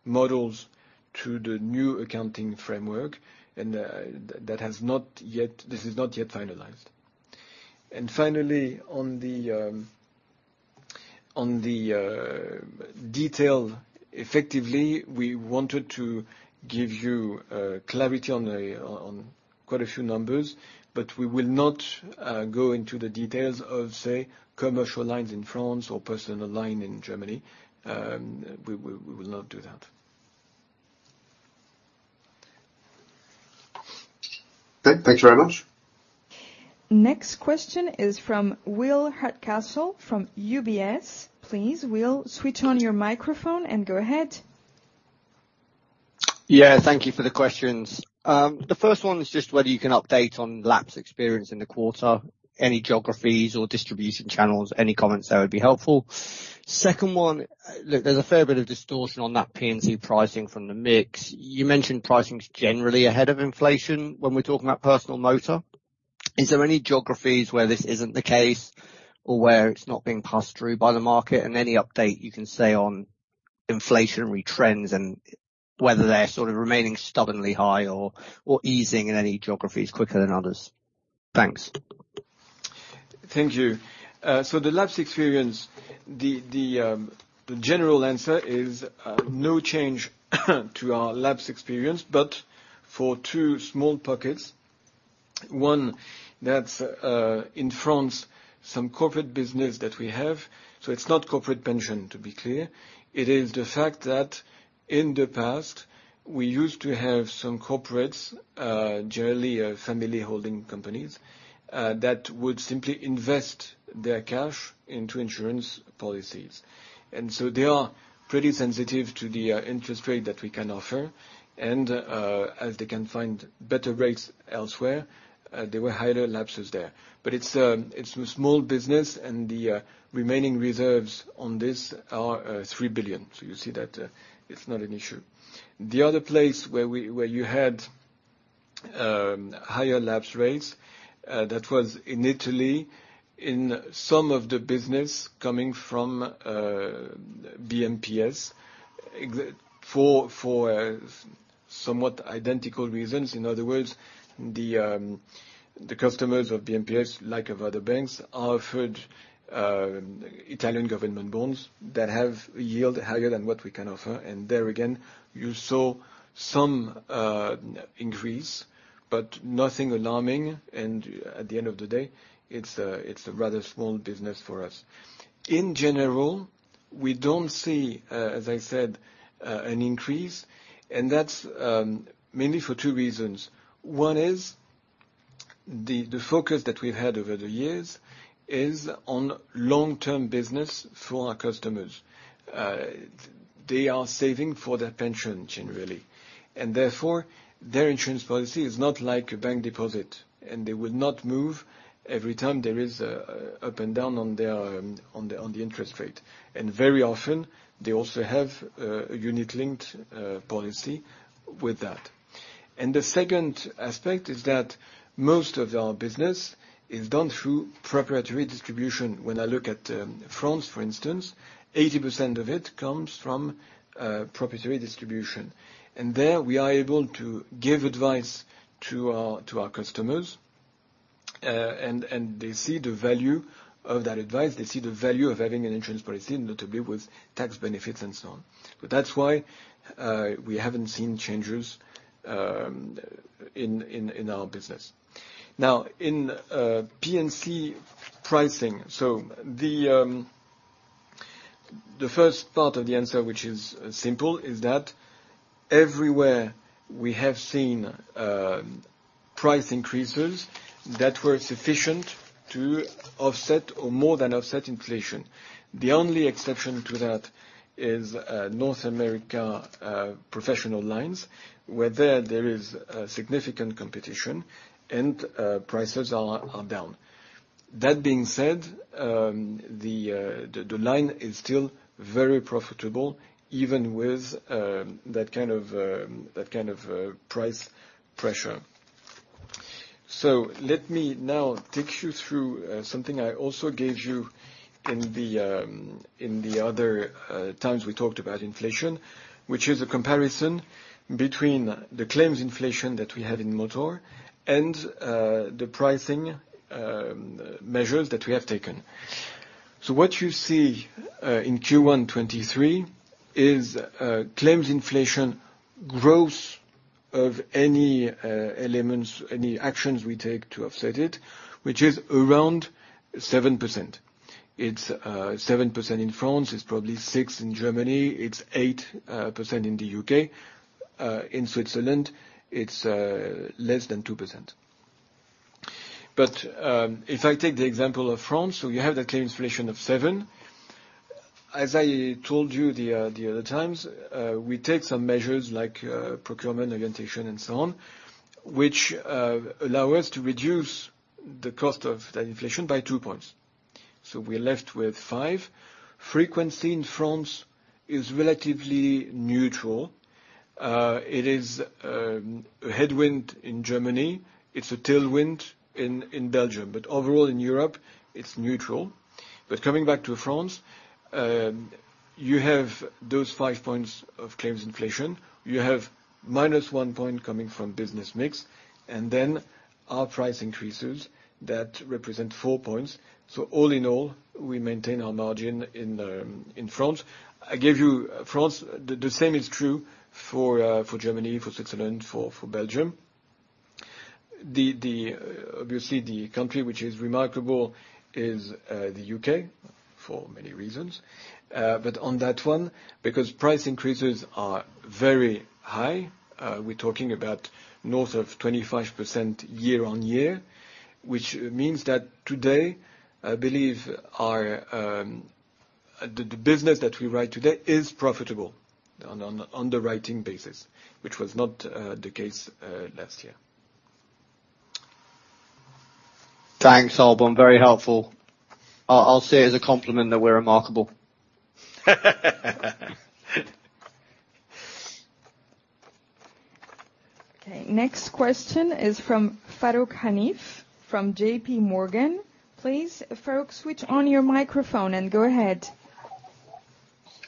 models to the new accounting framework, and this is not yet finalized. Finally, on the detail, effectively, we wanted to give you clarity on a quite a few numbers, but we will not go into the details of, say, commercial lines in France or personal line in Germany. We will not do that. Thanks very much. Next question is from Will Hardcastle from UBS. Please, Will, switch on your microphone and go ahead. Yeah, thank you for the questions. The first one is just whether you can update on lapse experience in the quarter, any geographies or distribution channels, any comments that would be helpful. Second one, look, there's a fair bit of distortion on that P&C pricing from the mix. You mentioned pricing is generally ahead of inflation when we're talking about personal motor. Is there any geographies where this isn't the case or where it's not being passed through by the market? Any update you can say on inflationary trends and whether they're sort of remaining stubbornly high or easing in any geographies quicker than others. Thanks. Thank you. The lapse experience, the general answer is no change to our lapse experience, but for two small pockets. One that's in France, some corporate business that we have. It's not corporate pension, to be clear. It is the fact that in the past, we used to have some corporates, generally family holding companies, that would simply invest their cash into insurance policies. They are pretty sensitive to the interest rate that we can offer. As they can find better rates elsewhere, there were higher lapses there. It's a small business, and the remaining reserves on this are 3 billion. You see that it's not an issue. The other place where you had higher lapse rates, that was in Italy, in some of the business coming from BMPS, for somewhat identical reasons. In other words, the customers of BMPS, like of other banks, are offered Italian government bonds that have yield higher than what we can offer. There again, you saw some increase, but nothing alarming. At the end of the day, it's a rather small business for us. In general, we don't see, as I said, an increase, and that's mainly for two reasons. One is the focus that we've had over the years is on long-term business for our customers. They are saving for their pension generally. Therefore their insurance policy is not like a bank deposit, and they will not move every time there is a up and down on their, on the interest rate. Very often, they also have a Unit-Linked policy with that. The second aspect is that most of our business is done through proprietary distribution. When I look at France, for instance, 80% of it comes from proprietary distribution. There we are able to give advice to our customers, and they see the value of that advice. They see the value of having an insurance policy, not to be with tax benefits and so on. That's why we haven't seen changes in our business. In P&C pricing, the first part of the answer, which is simple, is that everywhere we have seen price increases that were sufficient to offset or more than offset inflation. The only exception to that is North America Professional Lines, where there is a significant competition and prices are down. That being said, the line is still very profitable even with that kind of price pressure. Let me now take you through something I also gave you in the other times we talked about inflation, which is a comparison between the claims inflation that we have in motor and the pricing measures that we have taken. What you see in Q1 2023 is claims inflation growth of any elements, any actions we take to offset it, which is around 7%. It's 7% in France, it's probably 6% in Germany, it's 8% in the UK. In Switzerland, it's less than 2%. If I take the example of France, so you have the claim inflation of 7%. As I told you the other times, we take some measures like procurement orientation and so on, which allow us to reduce the cost of that inflation by 2 points. We're left with 5. Frequency in France is relatively neutral. It is a headwind in Germany, it's a tailwind in Belgium, overall in Europe, it's neutral. Coming back to France, you have those 5 points of claims inflation. You have -1 point coming from business mix, and then our price increases that represent 4 points. All in all, we maintain our margin in France. I gave you France. The same is true for Germany, for Switzerland, for Belgium. Obviously, the country which is remarkable is the UK for many reasons. On that one, because price increases are very high, we're talking about north of 25% year on year, which means that today, I believe our, the business that we run today is profitable on the writing basis, which was not, the case, last year. Thanks, Alban. Very helpful. I'll say as a compliment that we're remarkable. Okay, next question is from Farooq Hanif from JPMorgan. Please, Farooq, switch on your microphone and go ahead.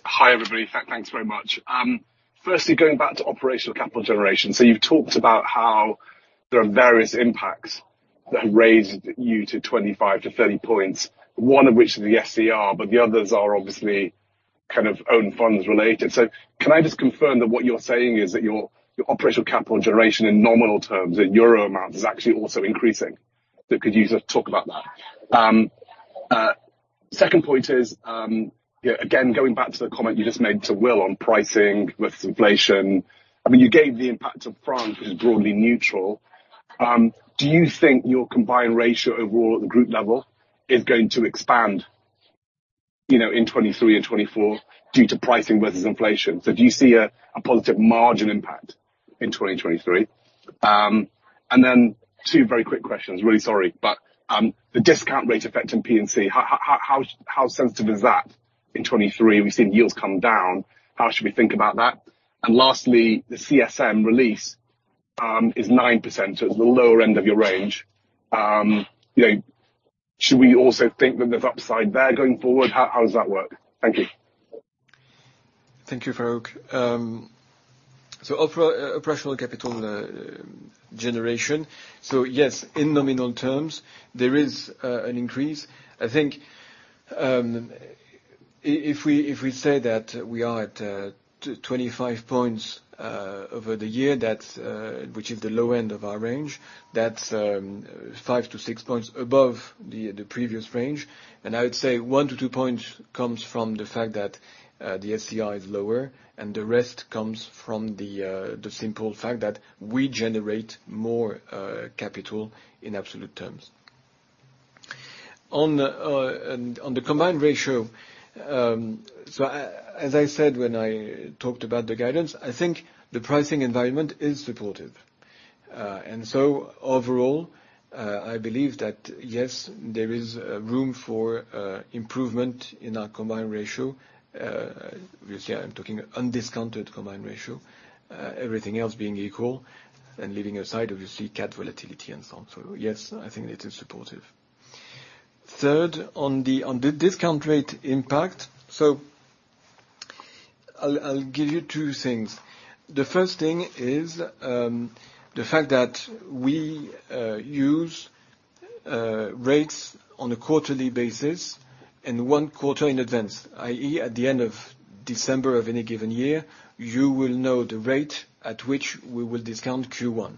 Hi, everybody. Thanks very much. Firstly, going back to operational capital generation. You've talked about how there are various impacts that have raised you to 25-30 points, one of which is the SCR, but the others are obviously kind of own funds related. Can I just confirm that what you're saying is that your operational capital generation in nominal terms in euro amounts is actually also increasing? Could you just talk about that? Second point is, yeah, again, going back to the comment you just made to Will on pricing versus inflation. I mean, you gave the impact of France as broadly neutral. Do you think your combined ratio overall at the group level is going to expand, you know, in 2023 and 2024 due to pricing versus inflation? Do you see a positive margin impact in 2023? Then 2 very quick questions. Really sorry. The discount rate effect in P&C, how sensitive is that in 2023? We've seen yields come down. How should we think about that? Lastly, the CSM release is 9%, so it's the lower end of your range. You know, should we also think that there's upside there going forward? How does that work? Thank you. Thank you, Farooq. Operational capital generation. Yes, in nominal terms, there is an increase. I think, if we say that we are at 25 points over the year, that's which is the low end of our range, that's 5 to 6 points above the previous range. I would say 1 to 2 points comes from the fact that the SCR is lower, and the rest comes from the simple fact that we generate more capital in absolute terms. On the combined ratio, as I said when I talked about the guidance, I think the pricing environment is supportive. Overall, I believe that yes, there is room for improvement in our combined ratio. Obviously, I'm talking undiscounted combined ratio. Everything else being equal and leaving aside obviously cat volatility and so on. Yes, I think it is supportive. Third, on the discount rate impact. I'll give you 2 things. The first thing is the fact that we use rates on a quarterly basis and 1 quarter in advance, i.e., at the end of December of any given year, you will know the rate at which we will discount Q1.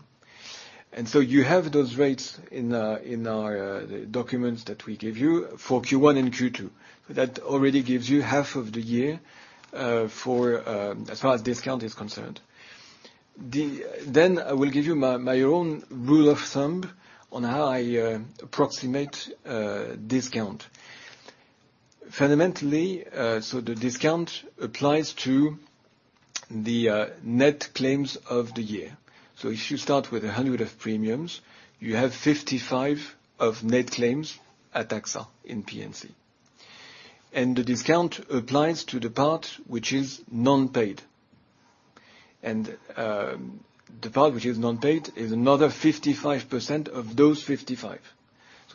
You have those rates in our documents that we gave you for Q1 and Q2. That already gives you half of the year for as far as discount is concerned. I will give you my own rule of thumb on how I approximate discount. Fundamentally, the discount applies to the net claims of the year. If you start with 100 of premiums, you have 55 of net claims at AXA in P&C. The discount applies to the part which is non-paid. The part which is non-paid is another 55% of those 55.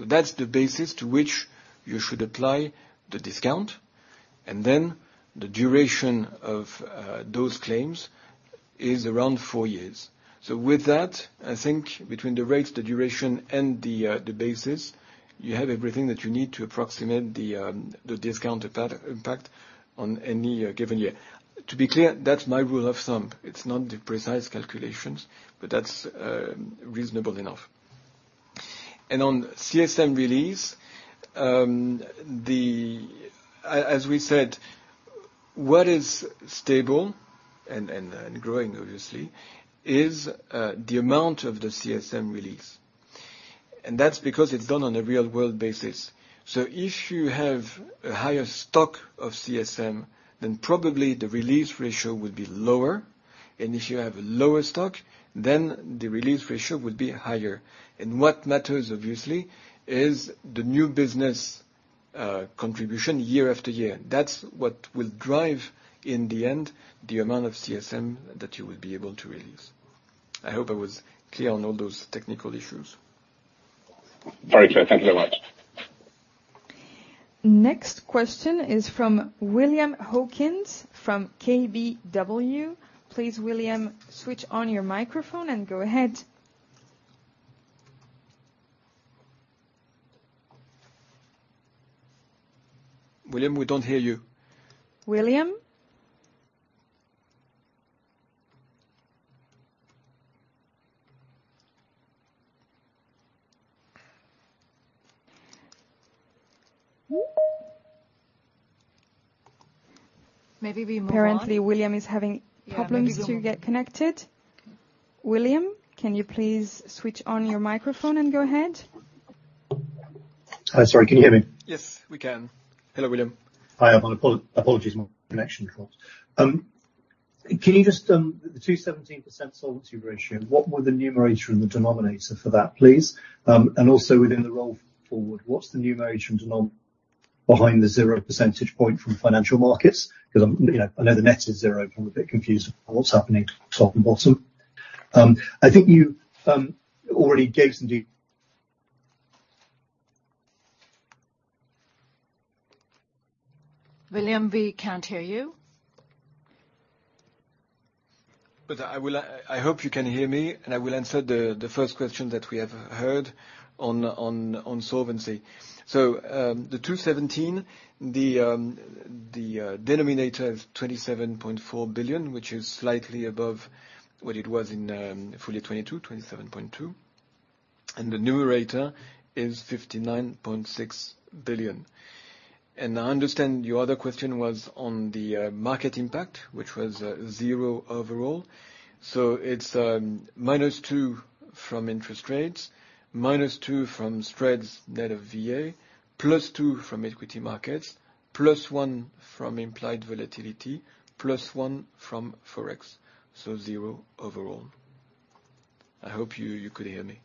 That's the basis to which you should apply the discount. Then the duration of those claims is around 4 years. With that, I think between the rates, the duration, and the basis, you have everything that you need to approximate the discounted impact on any given year. To be clear, that's my rule of thumb. It's not the precise calculations, but that's reasonable enough. On CSM release, as we said, what is stable and growing obviously is the amount of the CSM release, and that's because it's done on a real world basis. If you have a higher stock of CSM, then probably the release ratio would be lower, and if you have a lower stock, then the release ratio would be higher. What matters, obviously, is the new business contribution year after year. That's what will drive, in the end, the amount of CSM that you will be able to release. I hope I was clear on all those technical issues. Very clear. Thank you very much. Next question is from William Hawkins from KBW. Please, William, switch on your microphone and go ahead. William, we don't hear you. William? Maybe we move on. Apparently, William is having problems- Yeah, maybe go on. To get connected. William, can you please switch on your microphone and go ahead? Sorry, can you hear me? Yes, we can. Hello, William. Hi, everyone. apologies, my connection closed. Can you just, the 217% solvency ratio, what were the numerator and the denominator for that, please? Also within the roll forward, what's the numerator and denom behind the 0 percentage point from financial markets? I'm, you know, I know the net is 0. I'm a bit confused what's happening top and bottom. I think you already gave some. William, we can't hear you. I hope you can hear me, and I will answer the first question that we have heard on solvency. The 217, the denominator is 27.4 billion, which is slightly above what it was in fully 2022, 27.2 billion, and the numerator is 59.6 billion. I understand your other question was on the market impact, which was 0 overall. It's -2 from interest rates, -2 from spreads net of VA, +2 from equity markets, +1 from implied volatility, +1 from Forex. 0 overall. I hope you could hear me.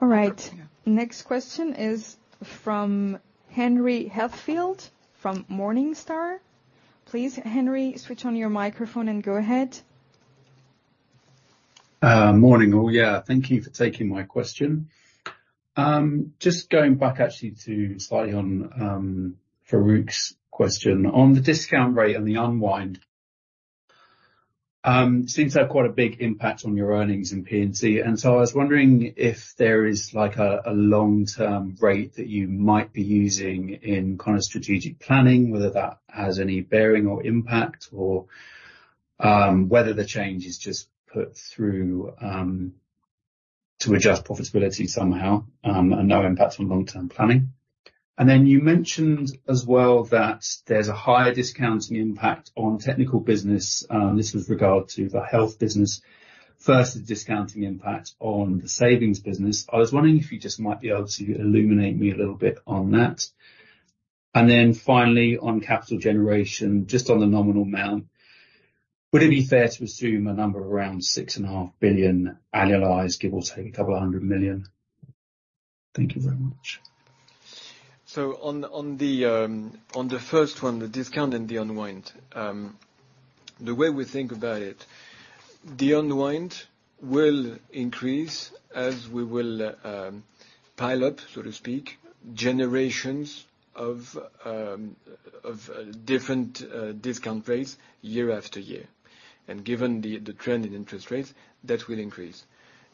All right. Next question is from Henry Heathfield from Morningstar. Please, Henry, switch on your microphone and go ahead. Morning, all. Yeah, thank you for taking my question. Just going back actually to slightly on Farooq's question. On the discount rate and the unwind, seems to have quite a big impact on your earnings in P&C. I was wondering if there is like a long-term rate that you might be using in kind of strategic planning, whether that has any bearing or impact or whether the change is just put through to adjust profitability somehow, and no impact on long-term planning. You mentioned as well that there's a higher discounting impact on technical business, this was regard to the health business versus discounting impact on the savings business. I was wondering if you just might be able to illuminate me a little bit on that. Finally, on capital generation, just on the nominal amount, would it be fair to assume a number around six and a half billion annualized, give or take EUR a couple of hundred million? Thank you very much. On the first one, the discount and the unwind, the way we think about it, the unwind will increase as we will pile up, so to speak, generations of different discount rates year after year. Given the trend in interest rates, that will increase.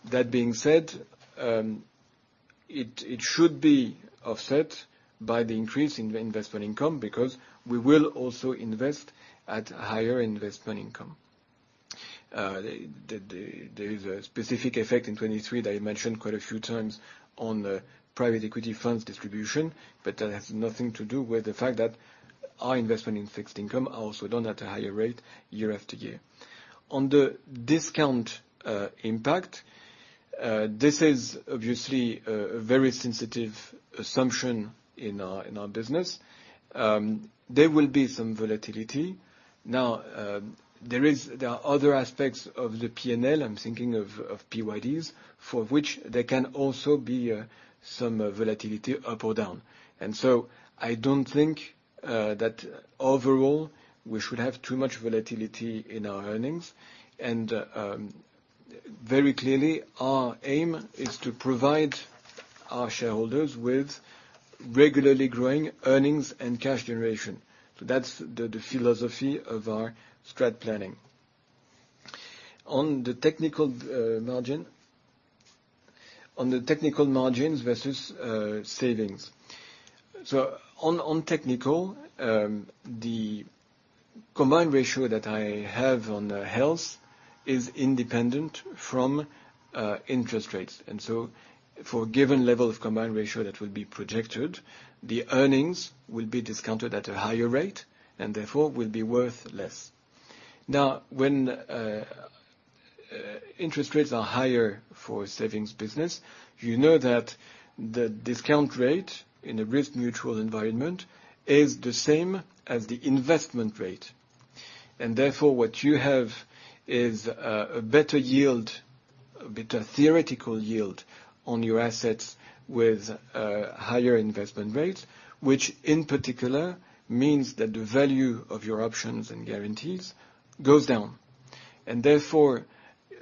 That being said, it should be offset by the increase in investment income because we will also invest at higher investment income. There is a specific effect in 2023 that I mentioned quite a few times on the private equity funds distribution, but that has nothing to do with the fact that our investment in fixed income are also done at a higher rate year after year. On the discount impact, this is obviously a very sensitive assumption in our business. There will be some volatility. Now, there are other aspects of the P&L, I'm thinking of PYDs for which there can also be some volatility up or down. I don't think that overall we should have too much volatility in our earnings. Very clearly our aim is to provide our shareholders with regularly growing earnings and cash generation. That's the philosophy of our strat planning. On the technical margin. On the technical margins versus savings. On technical, the combined ratio that I have on health is independent from interest rates. For a given level of combined ratio that would be projected, the earnings will be discounted at a higher rate and therefore will be worth less. When interest rates are higher for savings business, you know that the discount rate in a risk mutual environment is the same as the investment rate. Therefore, what you have is a better yield, a better theoretical yield on your assets with higher investment rates, which in particular means that the value of your options and guarantees goes down. Therefore,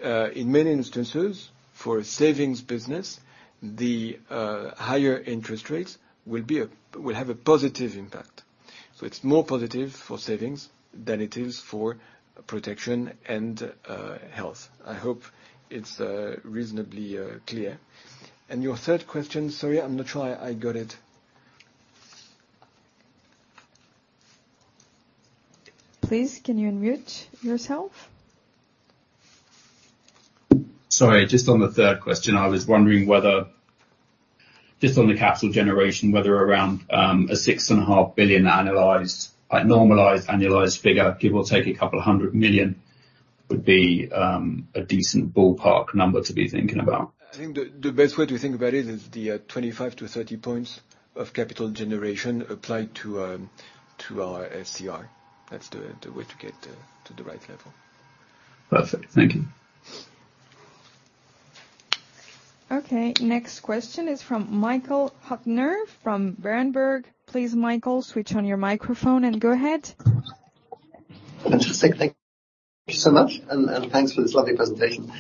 in many instances, for a savings business, the higher interest rates will have a positive impact. It's more positive for savings than it is for protection and health. I hope it's reasonably clear. Your third question, sorry, I'm not sure I got it. Please, can you unmute yourself? Sorry, just on the third question, I was wondering whether, just on the capital generation, whether around, a 6.5 billion normalized annualized figure, give or take 200 million, would be a decent ballpark number to be thinking about? I think the best way to think about it is the 25-30 points of capital generation applied to our SCR. That's the way to get to the right level. Perfect. Thank you. Okay. Next question is from Michael Huttner from Berenberg. Please, Michael, switch on your microphone and go ahead. Fantastic. Thank you so much, and thanks for this lovely presentation.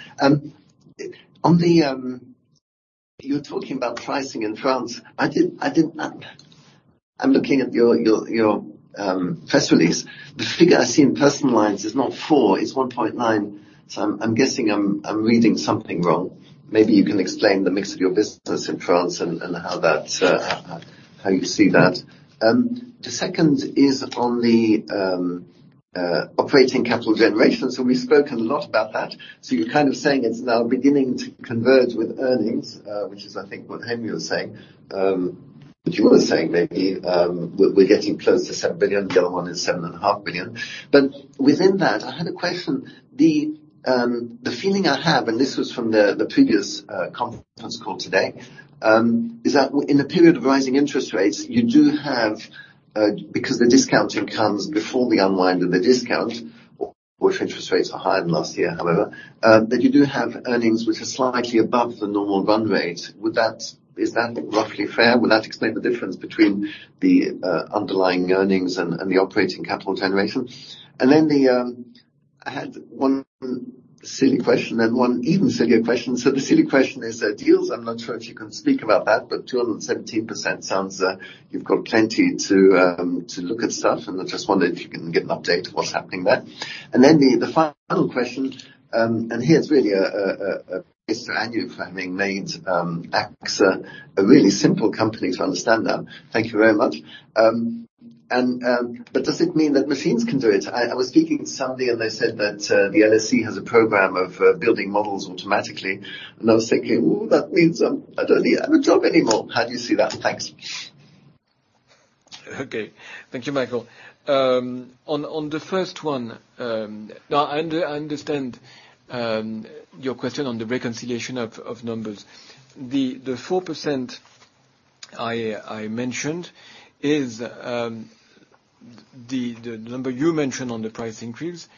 On the, you talking about pricing in France. I did not... I'm looking at your press release. The figure I see in personal lines is not 4, it's 1.9. I'm guessing I'm reading something wrong. Maybe you can explain the mix of your business in France and how that, how you see that? The second is on the operating capital generation. We've spoken a lot about that. You're kind of saying it's now beginning to converge with earnings, which is I think what Henry was saying. You were saying maybe we're getting close to 7 billion, going on in seven and a half billion. Within that, I had a question. The feeling I have, and this was from the previous conference call today, is that in a period of rising interest rates, you do have, because the discounting comes before the unwind and the discount, or if interest rates are higher than last year, however, that you do have earnings which are slightly above the normal run rate. Is that roughly fair? Would that explain the difference between the underlying earnings and the operating capital generation? I had one silly question then one even sillier question. The silly question is deals. I'm not sure if you can speak about that, but 217% sounds you've got plenty to look at stuff, and I just wondered if you can give an update of what's happening there. The final question, here's really a piss to Anu for having made AXA a really simple company to understand now. Thank you very much. Does it mean that machines can do it? I was speaking to somebody, and they said that the LSC has a program of building models automatically, and I was thinking, "Oh, that means I'm, I don't have a job anymore." How do you see that? Thanks. Okay. Thank you, Michael. On the first one, no, I understand your question on the reconciliation of numbers. The 4% I mentioned is the number you mentioned on the price increase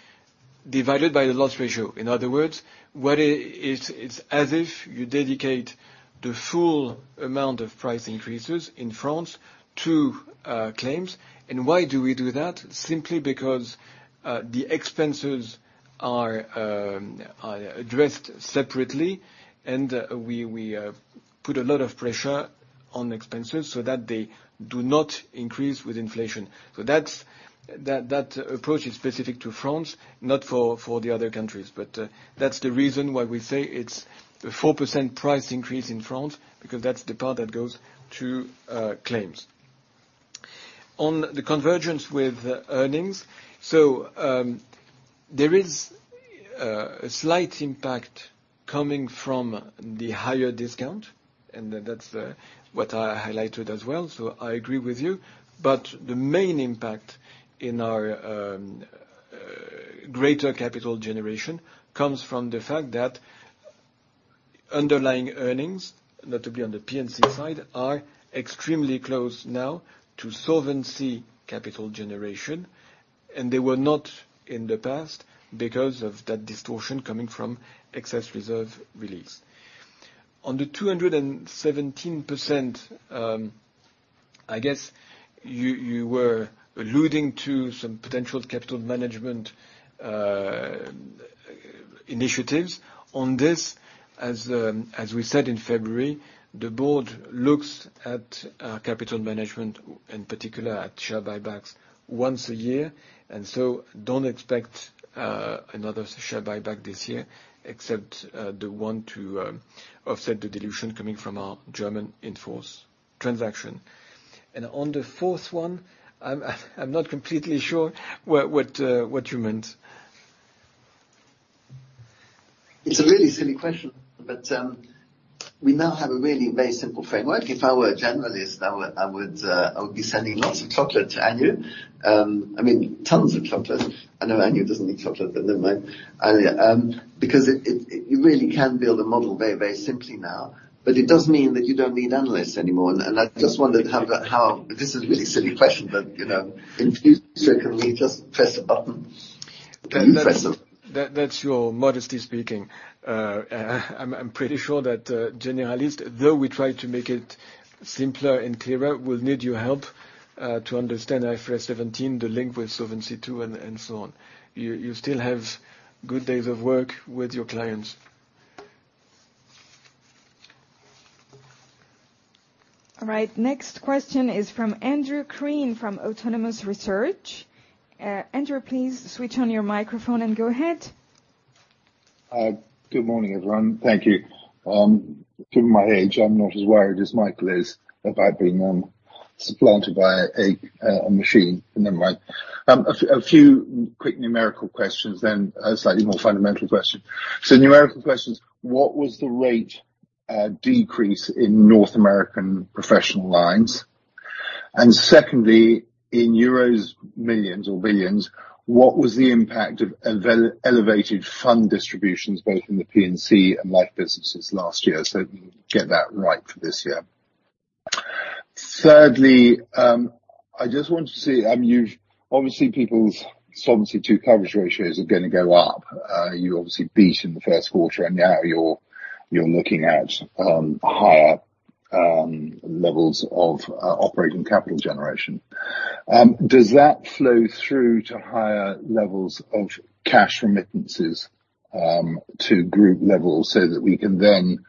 divided by the loss ratio. In other words, what it is, it's as if you dedicate the full amount of price increases in France to claims. Why do we do that? Simply because the expenses are addressed separately, and we put a lot of pressure on expenses so that they do not increase with inflation. That approach is specific to France, not for the other countries. That's the reason why we say it's 4% price increase in France because that's the part that goes to claims. On the convergence with earnings. There is a slight impact coming from the higher discount, and that's what I highlighted as well, so I agree with you. The main impact in our greater capital generation comes from the fact that underlying earnings, that to be on the P&C side, are extremely close now to solvency capital generation. They were not in the past because of that distortion coming from excess reserve release. On the 217%, I guess you were alluding to some potential capital management initiatives. On this, as we said in February, the board looks at capital management, in particular at share buybacks once a year. Don't expect another share buyback this year except the one to offset the dilution coming from our German in-force transaction. On the fourth one, I'm not completely sure what you meant. It's a really silly question, but we now have a really very simple framework. If I were a generalist, I would be sending lots of chocolate to Anu, I mean, tons of chocolate. I know Anu doesn't eat chocolate, but never mind. because it, you really can build a model very, very simply now, but it does mean that you don't need analysts anymore. I just wondered how. This is a really silly question, but, you know, can we just press a button? Can you press? That's your modesty speaking. I'm pretty sure that a generalist, though we try to make it simpler and clearer, will need your help to understand IFRS 17, the link with Solvency II and so on. You still have good days of work with your clients. All right. Next question is from Andrew Crean from Autonomous Research. Andrew, please switch on your microphone and go ahead. Good morning, everyone. Thank you. Given my age, I'm not as worried as Michael is about being supplanted by a machine, never mind. A few quick numerical questions, a slightly more fundamental question. Numerical questions, what was the rate decrease in North America Professional Lines? Secondly, in euros, millions or billions, what was the impact of elevated fund distributions both in the P&C and life businesses last year? Get that right for this year. Thirdly, I just want to see, I mean, obviously people's Solvency II coverage ratios are gonna go up. You obviously beat in the first quarter, now you're looking at higher levels of operating capital generation. Does that flow through to higher levels of cash remittances to group levels so that we can then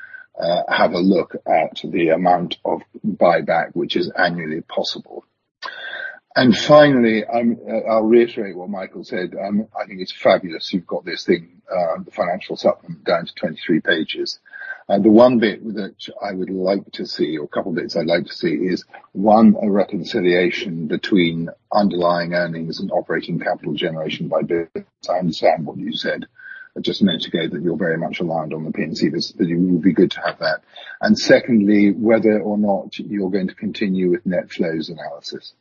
have a look at the amount of buyback which is annually possible? Finally, I'll reiterate what Michael said, I think it's fabulous you've got this thing, the financial supplement down to 23 pages. The one bit that I would like to see or couple bits I'd like to see is, one, a reconciliation between underlying earnings and operating capital generation by business. I understand what you said just a minute ago, that you're very much reliant on the P&C business, but it would be good to have that. Secondly, whether or not you're going to continue with net flows analysis.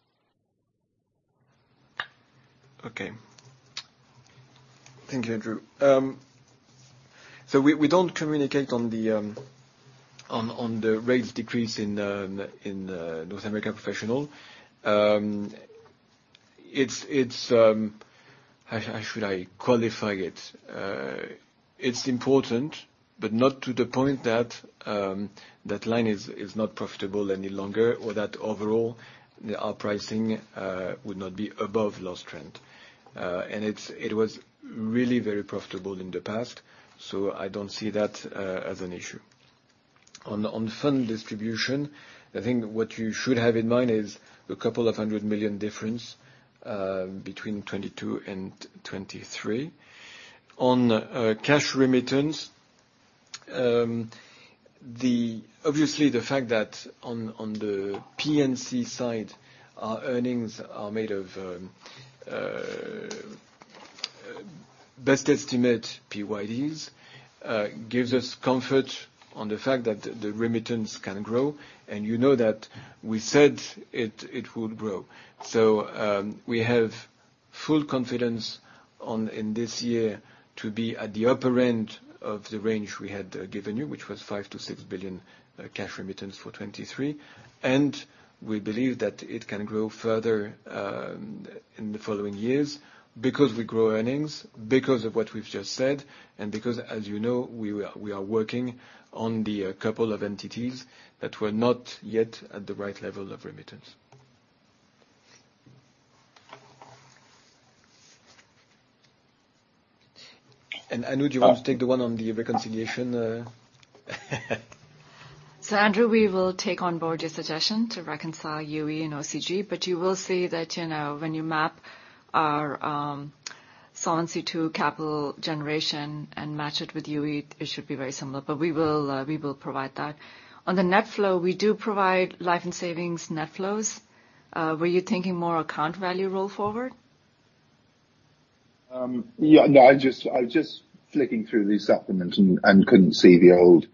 Okay. Thank you, Andrew. We don't communicate on the rates decrease in North America Professional. It's... How should I qualify it? It's important, but not to the point that line is not profitable any longer or that overall our pricing would not be above loss trend. It was really very profitable in the past, so I don't see that as an issue. On fund distribution, I think what you should have in mind is a couple of hundred million difference between 2022 and 2023. On cash remittance, obviously the fact that on the P&C side, our earnings are made of best estimate PYD gives us comfort on the fact that the remittance can grow. You know that we said it would grow. We have full confidence in this year to be at the upper end of the range we had given you, which was 5 billion-6 billion, cash remittance for 2023. We believe that it can grow further in the following years because we grow earnings, because of what we've just said, and because, as you know, we are working on the couple of entities that were not yet at the right level of remittance. Anu, do you want to take the one on the reconciliation? Andrew, we will take on board your suggestion to reconcile UE and OCG, but you will see that, you know, when you map our Solvency II capital generation and match it with UE, it should be very similar. We will provide that. On the net flow, we do provide Life & Savings net flows. Were you thinking more account value roll forward? I was just flicking through the supplements and couldn't see the old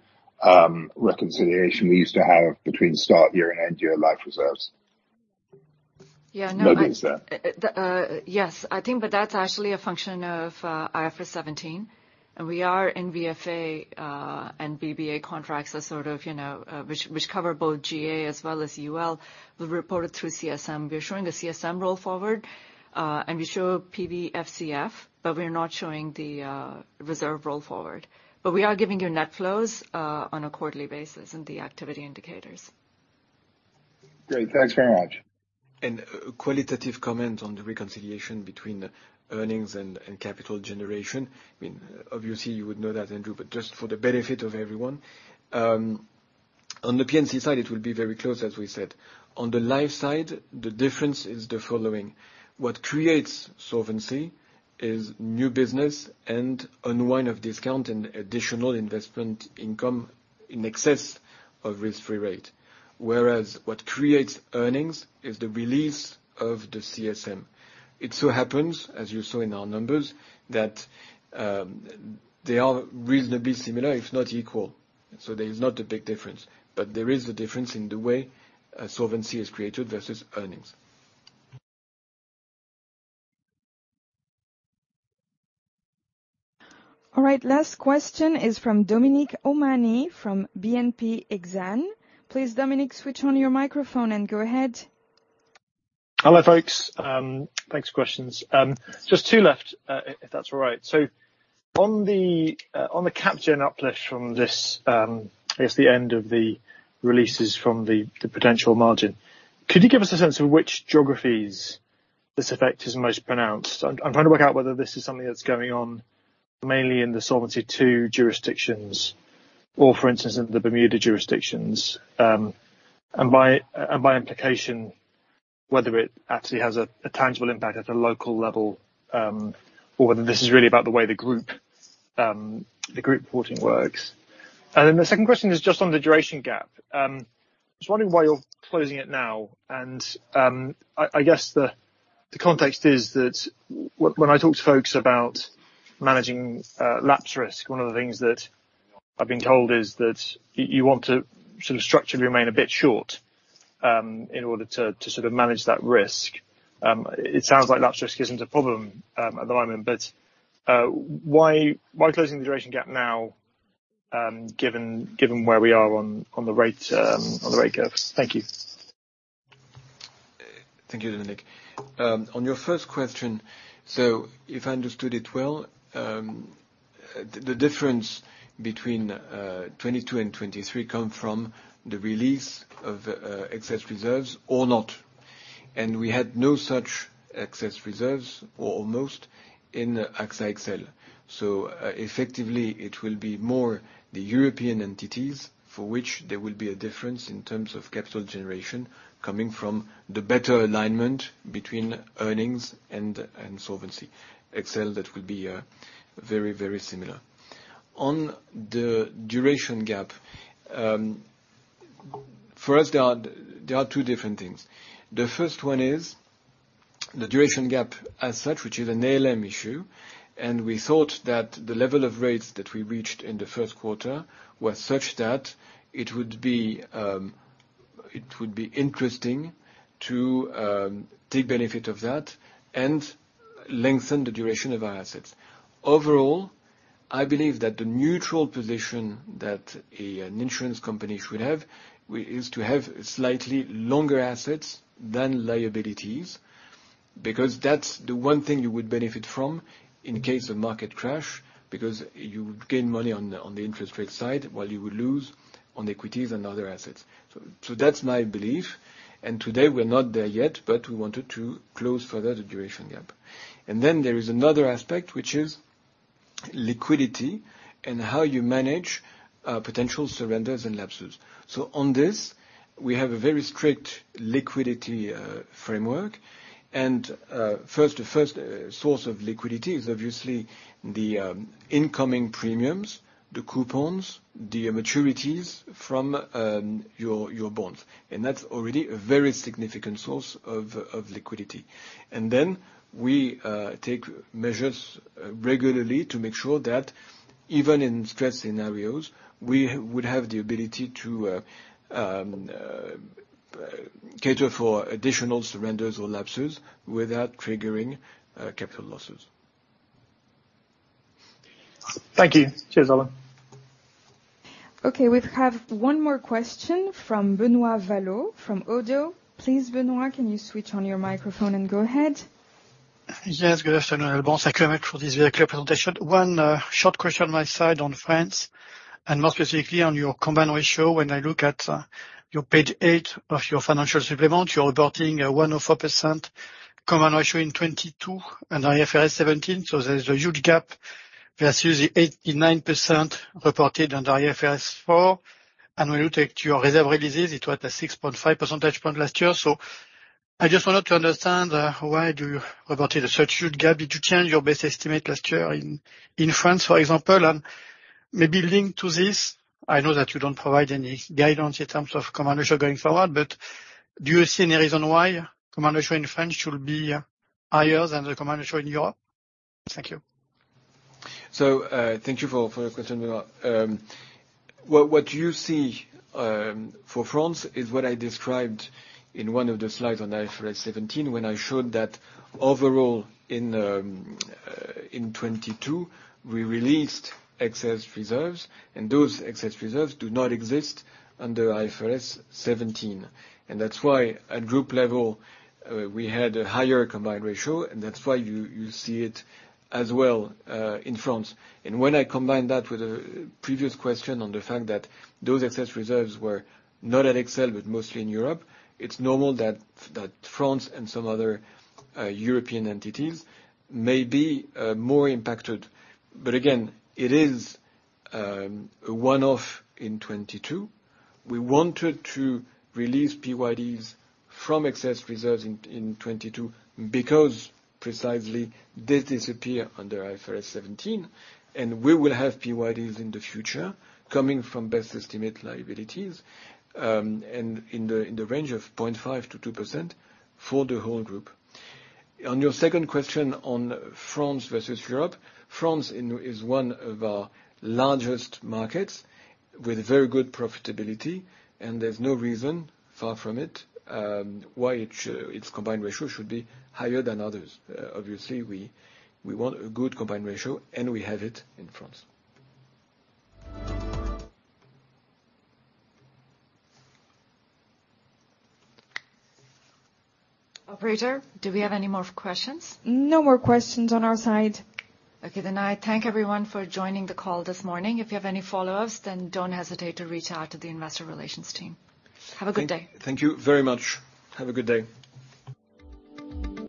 reconciliation we used to have between start year and end year life reserves. Yeah, no. Nothing, sir. Yes. I think but that's actually a function of IFRS 17, and we are in VFA, and BBA contracts are sort of, you know, which cover both GA as well as UL. We report it through CSM. We are showing the CSM roll forward, and we show PB FCF, but we're not showing the reserve roll forward. We are giving you net flows on a quarterly basis, and the activity indicators. Great. Thanks very much. Qualitative comment on the reconciliation between earnings and capital generation. I mean, obviously, you would know that, Andrew, but just for the benefit of everyone. On the P&C side, it will be very close, as we said. On the life side, the difference is the following. What creates solvency is new business and unwind of discount and additional investment income in excess of risk-free rate. Whereas what creates earnings is the release of the CSM. It so happens, as you saw in our numbers, that they are reasonably similar, if not equal, so there is not a big difference, but there is a difference in the way solvency is created versus earnings. Last question is from Dominic O'Mahony from BNP Exane. Please, Dominic, switch on your microphone and go ahead. Hello, folks. Thanks for questions. Just two left, if that's all right. On the cap gen uplift from this, I guess the end of the releases from the potential margin, could you give us a sense of which geographies this effect is most pronounced? I'm trying to work out whether this is something that's going on mainly in the Solvency II jurisdictions or, for instance, in the Bermuda jurisdictions, and by implication, whether it actually has a tangible impact at the local level, or whether this is really about the way the group reporting works. The second question is just on the duration gap. Just wondering why you're closing it now, and, I guess the context is that when I talk to folks about managing, lapse risk, one of the things that I've been told is that you want to sort of structurally remain a bit short, in order to sort of manage that risk. It sounds like lapse risk isn't a problem, at the moment, but, why closing the duration gap now, given where we are on the rate, on the rate curves? Thank you. Thank you, Dominic. On your first question, so if I understood it well, the difference between 2022 and 2023 come from the release of excess reserves or not. We had no such excess reserves, or almost, in AXA XL. Effectively, it will be more the European entities for which there will be a difference in terms of capital generation coming from the better alignment between earnings and solvency. XL, that will be very similar. On the duration gap, for us, there are two different things. The first one is the duration gap as such, which is an ALM issue. We thought that the level of rates that we reached in the first quarter were such that it would be interesting to take benefit of that and lengthen the duration of our assets. Overall, I believe that the neutral position that an insurance company should have is to have slightly longer assets than liabilities, because that's the one thing you would benefit from in case of market crash, because you would gain money on the interest rate side while you would lose on equities and other assets. That's my belief. Today we're not there yet, but we wanted to close further the duration gap. There is another aspect, which is liquidity and how you manage potential surrenders and lapses. On this, we have a very strict liquidity framework. First, the first source of liquidity is obviously the incoming premiums, the coupons, the maturities from your bonds, and that's already a very significant source of liquidity. Then we take measures regularly to make sure that even in stress scenarios, we would have the ability to cater for additional surrenders or lapses without triggering capital losses. Thank you. Cheers, all. Okay, we have one more question from Benoit Vallet from Oddo. Please, Benoit, can you switch on your microphone and go ahead? Yes, good afternoon, Alban. Thank you very much for this very clear presentation. One short question on my side on France, and more specifically on your combined ratio. When I look at your page 8 of your financial supplement, you're reporting a 104% combined ratio in 2022 under IFRS 17, so there's a huge gap versus the 89% reported under IFRS 4. When you take your reserve releases, it was at 6.5 percentage point last year. I just wanted to understand why do you reported a such huge gap? Did you change your best estimate last year in France, for example? Maybe linked to this, I know that you don't provide any guidance in terms of combined ratio going forward, but do you see any reason why combined ratio in France should be higher than the combined ratio in Europe? Thank you. Thank you for your question, Mila. What you see for France is what I described in one of the slides on IFRS 17 when I showed that overall in 2022 we released excess reserves, and those excess reserves do not exist under IFRS 17. That's why at group level we had a higher combined ratio, and that's why you see it as well in France. When I combine that with a previous question on the fact that those excess reserves were not at XL, but mostly in Europe, it's normal that France and some other European entities may be more impacted. Again, it is a one-off in 2022. We wanted to release PYDs from excess reserves in 2022 because precisely they disappear under IFRS 17, and we will have PYDs in the future coming from best estimate liabilities. In the range of 0.5%-2% for the whole group. On your second question on France versus Europe. France is one of our largest markets with very good profitability, and there's no reason, far from it, why its combined ratio should be higher than others. Obviously we want a good combined ratio, and we have it in France. Operator, do we have any more questions? No more questions on our side. Okay. I thank everyone for joining the call this morning. If you have any follow-ups, then don't hesitate to reach out to the investor relations team. Have a good day. Thank you very much. Have a good day.